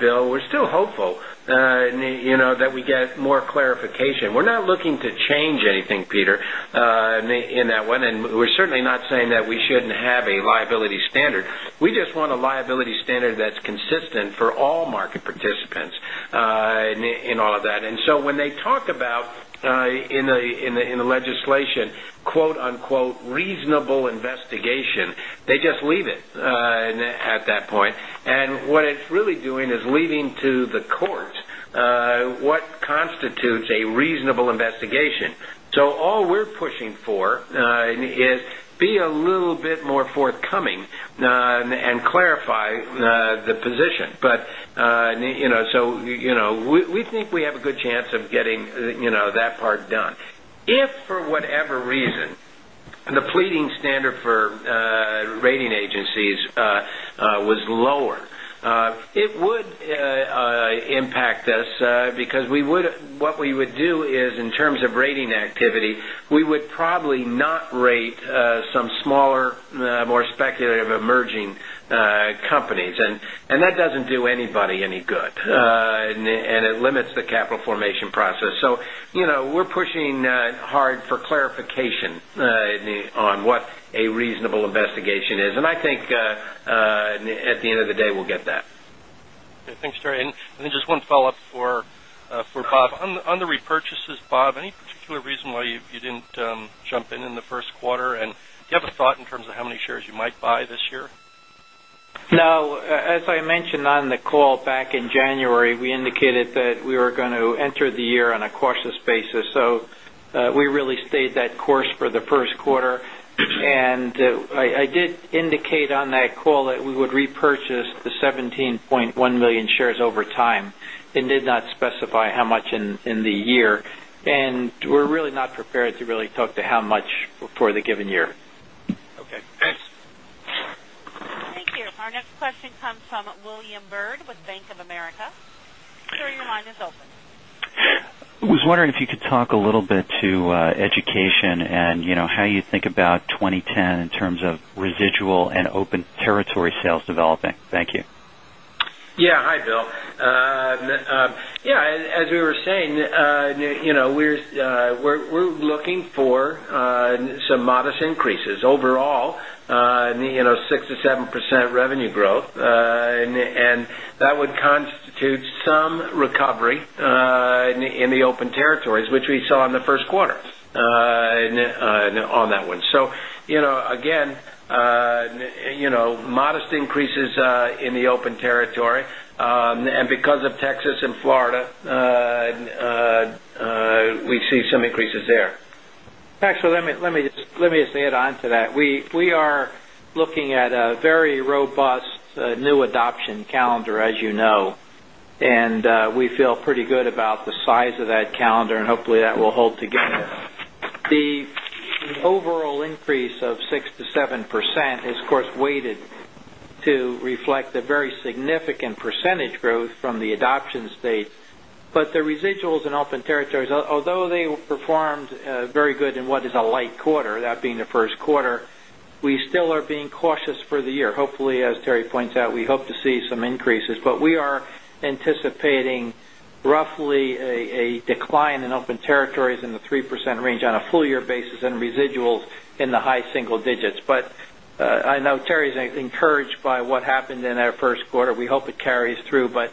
Bill, we're still hopeful that we get more clarification. We're not looking to change anything, Peter, In that one, and we're certainly not saying that we shouldn't have a liability standard. We just want a liability standard that's consistent for all market participants And all of that. And so when they talk about in the legislation reasonable investigation. They just leave it at that point. And what it's really doing is leaving to the court what constitutes A reasonable investigation. So all we're pushing for is be a little bit more forthcoming and clarify The position, but so we think we have a good chance of getting that part done. If for whatever reason, The pleading standard for rating agencies was lower. It would Because we would what we would do is in terms of rating activity, we would probably not rate some Smaller, more speculative emerging companies and that doesn't do anybody any good and it limits the capital formation process. We're pushing hard for clarification on what a reasonable investigation is. And I think At the end of the day, we'll get that. Thanks, Terry. And then just one follow-up for Bob. On the repurchases, Bob, any particular reason why you didn't To jump in, in the Q1 and do you have a thought in terms of how many shares you might buy this year? No. As I mentioned on the call Back in January, we indicated that we were going to enter the year on a cautious basis. So we really stayed that course for It did not specify how much in the year. And we're really not prepared to really talk to how much for the given year. Okay. Thanks. Thank you. Our next question comes from William Byrd with Bank of America. Sir, your line is open. I I was wondering if you could talk a little bit to education and how you think about 2010 in terms of residual and open Territory sales developing. Thank you. Yes. Hi, Bill. Yes, as we were saying, we're looking Looking for some modest increases overall, 6% to 7% revenue growth And that would constitute some recovery in the open territories, which we saw in the Q1 on that one. Again, modest increases in the open territory and because of Texas and BARDA, we see some increases there. Actually, let me just add on to that. We are looking at a very A robust new adoption calendar as you know, and we feel pretty good about the size of that calendar and hopefully that will hold The overall increase of 6% to 7% is, of course, weighted to reflect A very significant percentage growth from the adoption states, but the residuals in open territories, although they performed Very good and what is a light quarter, that being the Q1. We still are being cautious for the year. Hopefully, as Terry points out, we hope to see Increases, but we are anticipating roughly a decline in open territories in the 3% range on a full year basis and residuals in the High single digits, but I know Terry is encouraged by what happened in our Q1. We hope it carries through, but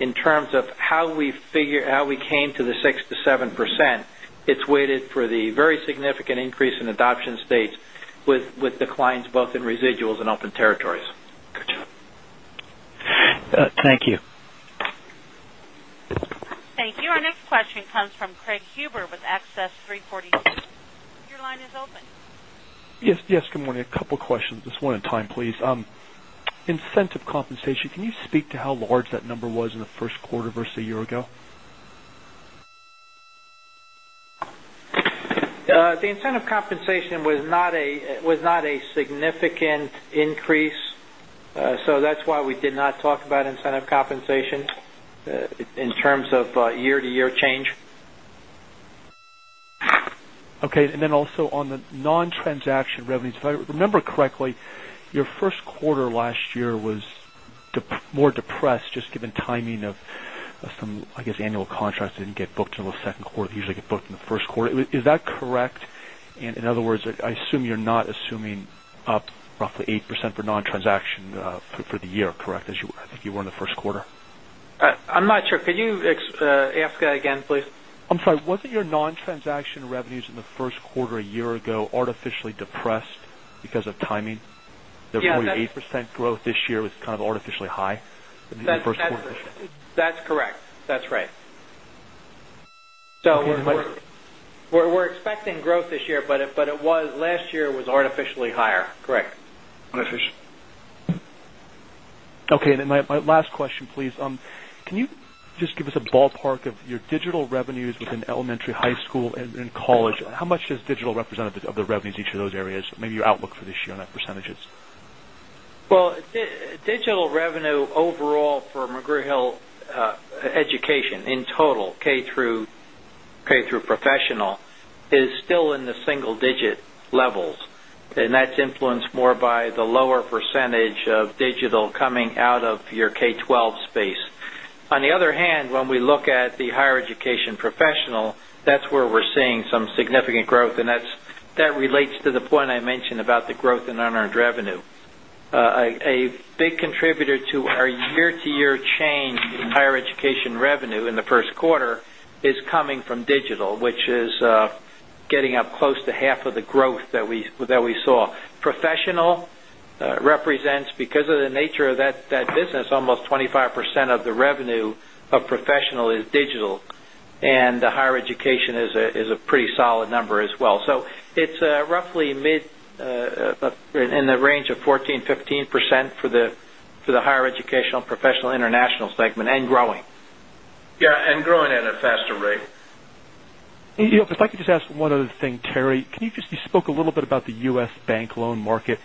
in terms of how we Figure out we came to the 6% to 7%, it's weighted for the very significant increase in adoption states With declines both in residuals and open territories. Thank you. Thank you. Our next question comes from Craig Huber with Access 340. Your line is open. Yes, good morning. A couple of questions. Just one in time, Incentive compensation, can you speak to how large that number was in the Q1 versus a year ago? The incentive compensation was not a significant Increase. So that's why we did not talk about incentive compensation in terms of year to year change. Okay. And then also on the non transaction revenues, if I remember correctly, your Q1 last year was More depressed just given timing of some, I guess, annual contracts that didn't get booked in the Q2, usually get booked in the Q1. Is that correct? In other words, I assume you're not assuming up roughly 8% for non transaction for the year, correct, as you I think you were in the Q1? I'm not Sure. Could you ask that again, please? I'm sorry, wasn't your non transaction revenues in the Q1 a year ago artificially depressed because of timing? The 48% growth this year was kind of artificially high in the Q1? That's correct. That's right. We're expecting growth this year, but it was last year was artificially higher, correct? Artificial. Okay. And then my last question please. Can you just give us a ballpark of your digital revenues within elementary, high school and college? How much does digital represent revenues in each of those areas, maybe your outlook for this year on the percentages? Well, digital revenue overall for McGrew Hill Education in Total K through Professional is still in the single digit levels and that's influenced more by the lower percentage So digital coming out of your K-twelve space. On the other hand, when we look at the higher education professional, That's where we're seeing some significant growth and that relates to the point I mentioned about the growth in earned revenue. A big contributor to our year Year to year change in higher education revenue in the Q1 is coming from digital, which is getting up close to half of the growth That we saw. Professional represents because of the nature of that business, almost 25% of the Revenue of professional is digital and the higher education is a pretty solid number as well. So it's roughly mid in The range of 14%, 15% for the Higher Educational and Professional International segment and growing. Yes, and growing at a Going at a faster rate. If I could just ask one other thing, Terry, can you just you spoke a little bit about the U. S. Bank loan market?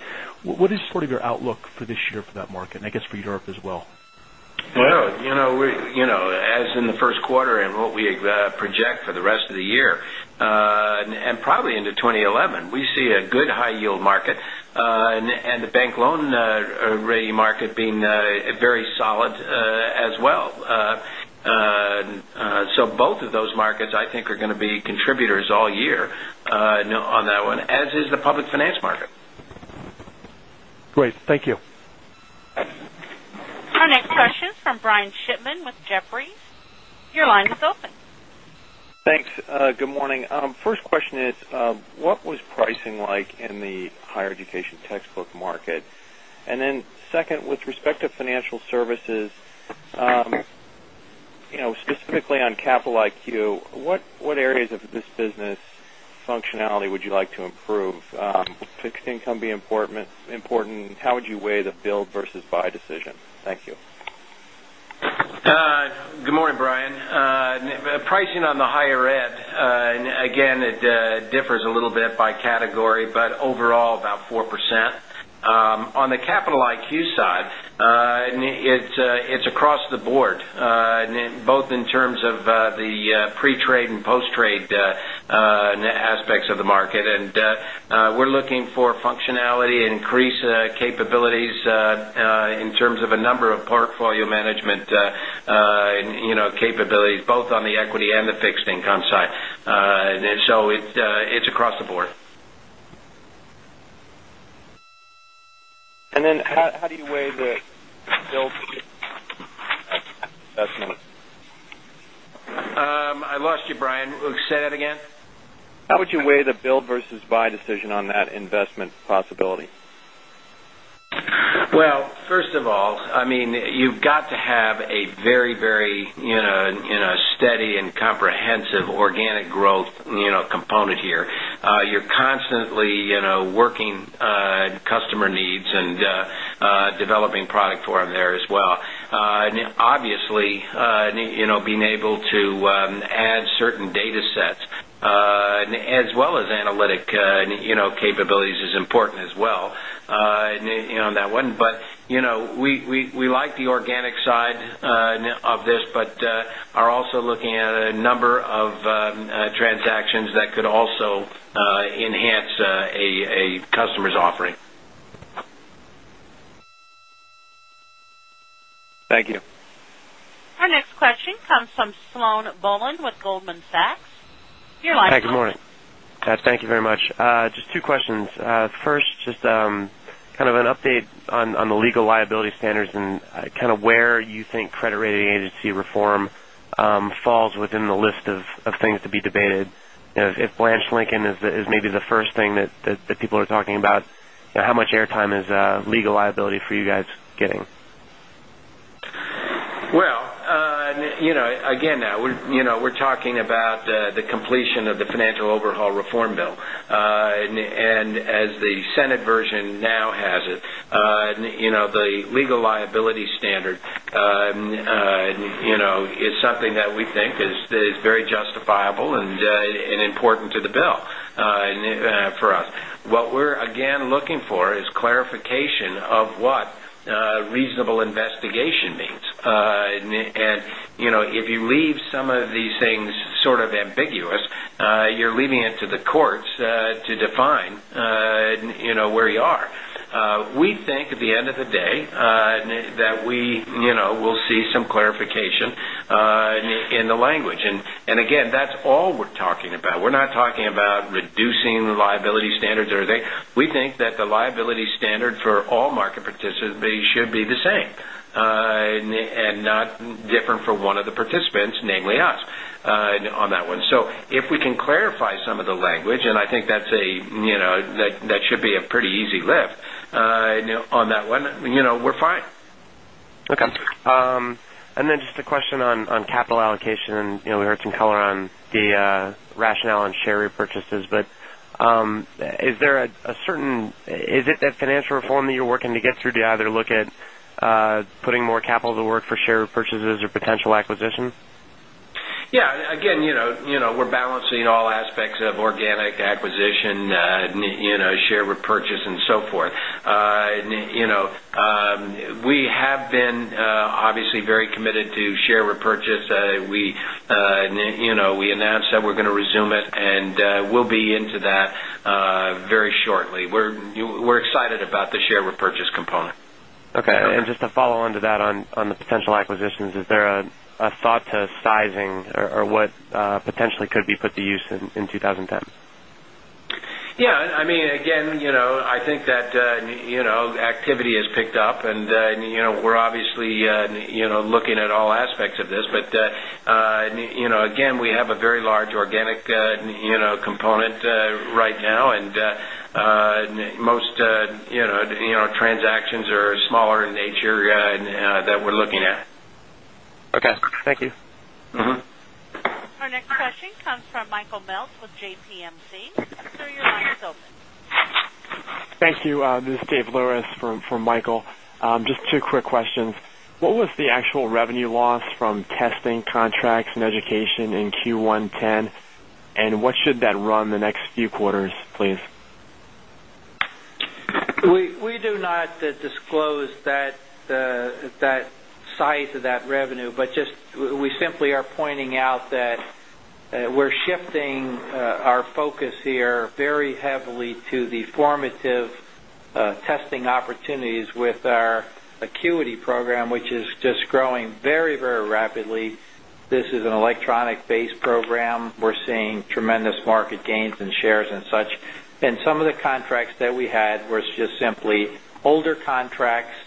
What is sort of your outlook for this year for that market and I guess for Europe as well. Well, as in the Q1 and what we project for the rest of the year and probably in As well. So both of those markets, I think are going to be contributors all year on that one as is the public finance Great. Thank you. Our next question is from Brian Shipman with Jefferies. Your line is Thanks. Good morning. First question is, what was pricing like in the higher education textbook Market. And then second, with respect to Financial Services, specifically on Capital IQ, what areas of This business functionality would you like to improve? Fixed income be important? How would you weigh the build versus buy decision? Thank you. Good morning, Brian. Pricing on the higher ed, again, it differs a little bit by category, but overall about 4%. On the Capital IQ side, it's across the board, both in terms of the pre trade and post trade aspects of the market. And we're looking for functionality, increase capabilities In terms of a number of portfolio management capabilities, both on the equity and the fixed I'm sorry. So it's across the board. And then how do you weigh the build? I lost you, Brian. Say that again. How would you weigh the build versus buy decision on that investment possibility? Well, first of all, I mean, you've got to have a very, very steady and comprehensive Organic growth component here. You're constantly working customer needs and developing product And obviously, being able to add certain datasets as well as analytic Capabilities is important as well on that one, but we like the organic side of this, but Are also looking at a number of transactions that could also enhance a customer's offering. Thank you. Our next question comes from Sloane Boland with Goldman Sachs. Your line is open. Hi, good morning. Jeff, thank you very much. Just two questions. First, just kind of an update on the legal liability standards and kind of You think credit rating agency reform falls within the list of things to be debated. If Blanche Lincoln is maybe the first thing that people are talking How much airtime is legal liability for you guys getting? Well, Yes. We're talking about the completion of the financial overhaul reform bill. And as the Senate version And now has it. The legal liability standard is something that we think is very justifiable and and important to the bill for us. What we're again looking for is clarification of what reasonable And if you leave some of these things sort of ambiguous, you're leaving it to The courts to define where you are. We think at the end of the day that we will see some clarification In the language and again, that's all we're talking about. We're not talking about reducing liability standards or anything. We think that Liability standard for all market participants, they should be the same and not different for one of the participants, namely us, On that one. So if we can clarify some of the language and I think that's a that should be a pretty easy lift On that one, we're fine. Okay. And then just a question on capital allocation and we heard some color on the Rationale and share repurchases, but is there a certain is it that financial reform that you're working to get through to either look at Putting more capital to work for share repurchases or potential acquisition? Yes. Again, we're balancing all aspects Ex of organic acquisition, share repurchase and so forth. We We have been obviously very committed to share repurchase. We announced that we're going to resume And we'll be into that very shortly. We're excited about the share repurchase component. Okay. And just a follow on to that on the potential Acquisitions, is there a thought to sizing or what potentially could be put to use in 2010? Yes. I mean, again, I think That activity has picked up and we're obviously looking at all aspects of this. But again, we have a very large And most transactions are smaller in nature that We're looking at it. Okay. Thank you. Our next question comes from Michael Melt with JPMC. Sir, your line is open. Thank you. This is Dave Louris for Michael. Just two quick questions. What was the actual revenue loss from testing contracts and education in Q1 'ten and what should that run the next few quarters, please? We do Not to disclose that size of that revenue, but just we simply are pointing out that We're shifting our focus here very heavily to the formative testing opportunities with our program, which is just growing very, very rapidly. This is an electronic based program. We're seeing tremendous market gains and shares and such. And some of the contracts that we had were just simply older contracts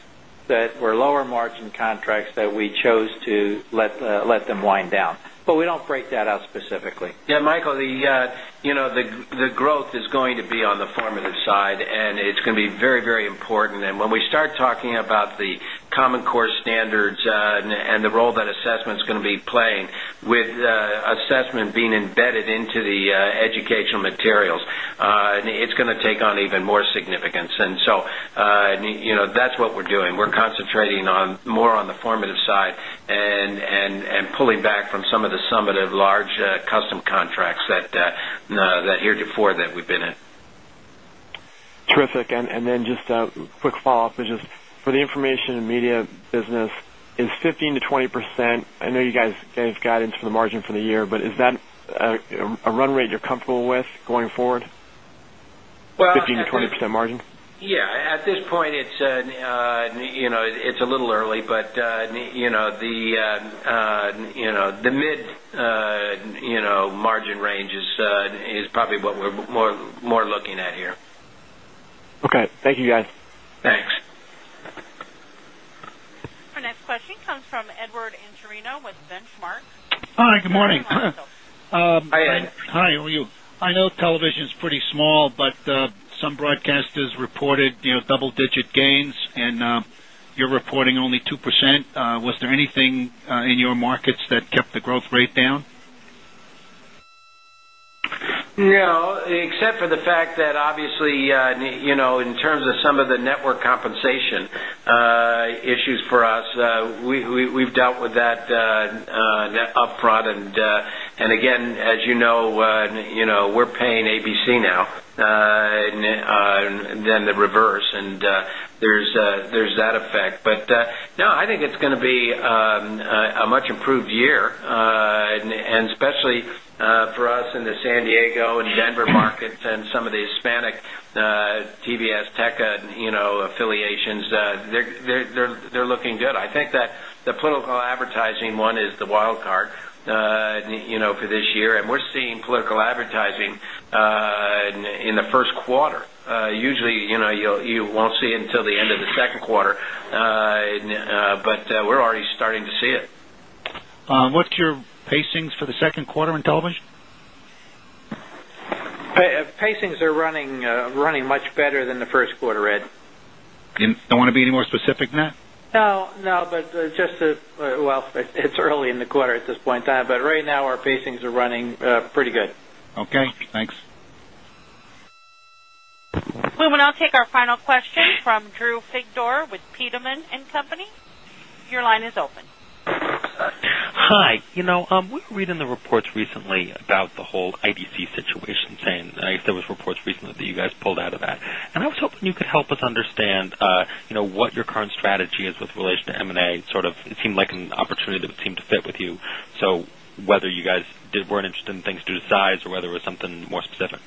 that were lower margin Contracts that we chose to let them wind down, but we don't break that out specifically. Yes, Michael, the growth is going to be on the formative And it's going to be very, very important. And when we start talking about the Common Core Standards and the role that assessment is We'll be playing with assessment being embedded into the educational materials. It's going to take And so that's what we're doing. We're concentrating on more on the formative side and pulling Back from some of the summative large custom contracts that heretofore that we've been in. Terrific. And then just a quick follow-up is just for the Information and Media business, is 15% to 20%, I know you guys gave guidance for the margin for the year, but is that a run rate you're comfortable with going forward, 15% to 20% margin? Yes. At this point, It's a little early, but the mid margin Range is probably what we're more looking at here. Okay. Thank you, guys. Thanks. Our next Broadcast has reported double digit gains and you're reporting only 2%. Was there anything in your markets that kept the Growth rate down? No, except for the fact that obviously in terms of some of the network As you know, we're paying ABC now and then the reverse and there's that But no, I think it's going to be a much improved year and especially for us in the San Diego and Denver markets and some of the Hispanic TVS, Teca, you know, affiliations, They're looking good. I think that the political advertising one is the wildcard for this year, and we're Seeing political advertising in the Q1, usually, you won't see until the end of the 2nd quarter, but we're already starting to see it. What's your pacings for the Q2 in television? The pacings are running much better than the Q1, Ed. Don't want to be any more specific, Matt? No, Well, it's early in the quarter at this point in time, but right now our pacings are running pretty good. Okay. Thanks. We will now take our final question from Drew Fegdoer with Peterman and Company. Your line is open. Hi. Hi. We were reading the reports recently about the whole IDC situation saying, I guess, there was reports recently that you guys pulled out of that. And I was hoping you could help us And what your current strategy is with relation to M and A, sort of it seemed like an opportunity that seemed to fit with you. So whether You guys weren't interested in things due to size or whether it was something more specific?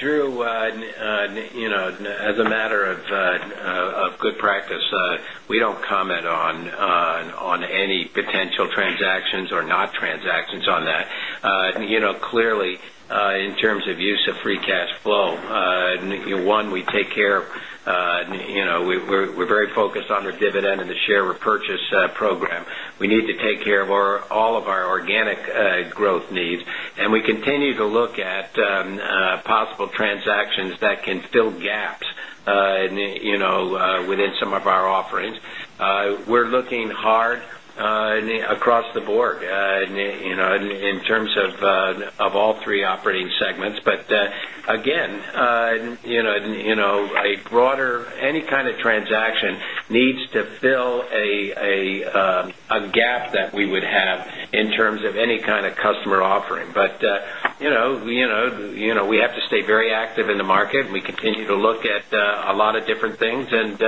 Drew, As a matter of good practice, we don't comment on any potential transactions Are not transactions on that. Clearly, in terms of use of free cash flow, one, we take We're very focused on the dividend and the share repurchase program. We need to take care of all of our organic growth needs and we continue to look at possible transactions that can fill gaps within some of our offerings. We're looking hard across the board in terms of all three operating segments. Again, a broader any kind of transaction needs to fill A gap that we would have in terms of any kind of customer offering. But we have to stay very active in the market. We continue to look At a lot of different things and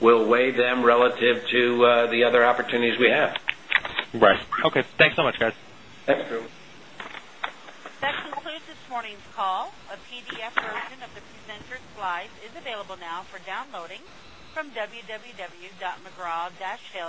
we'll weigh them relative to the other opportunities we have. Right. Okay. Thanks from www.mcraw hill.com.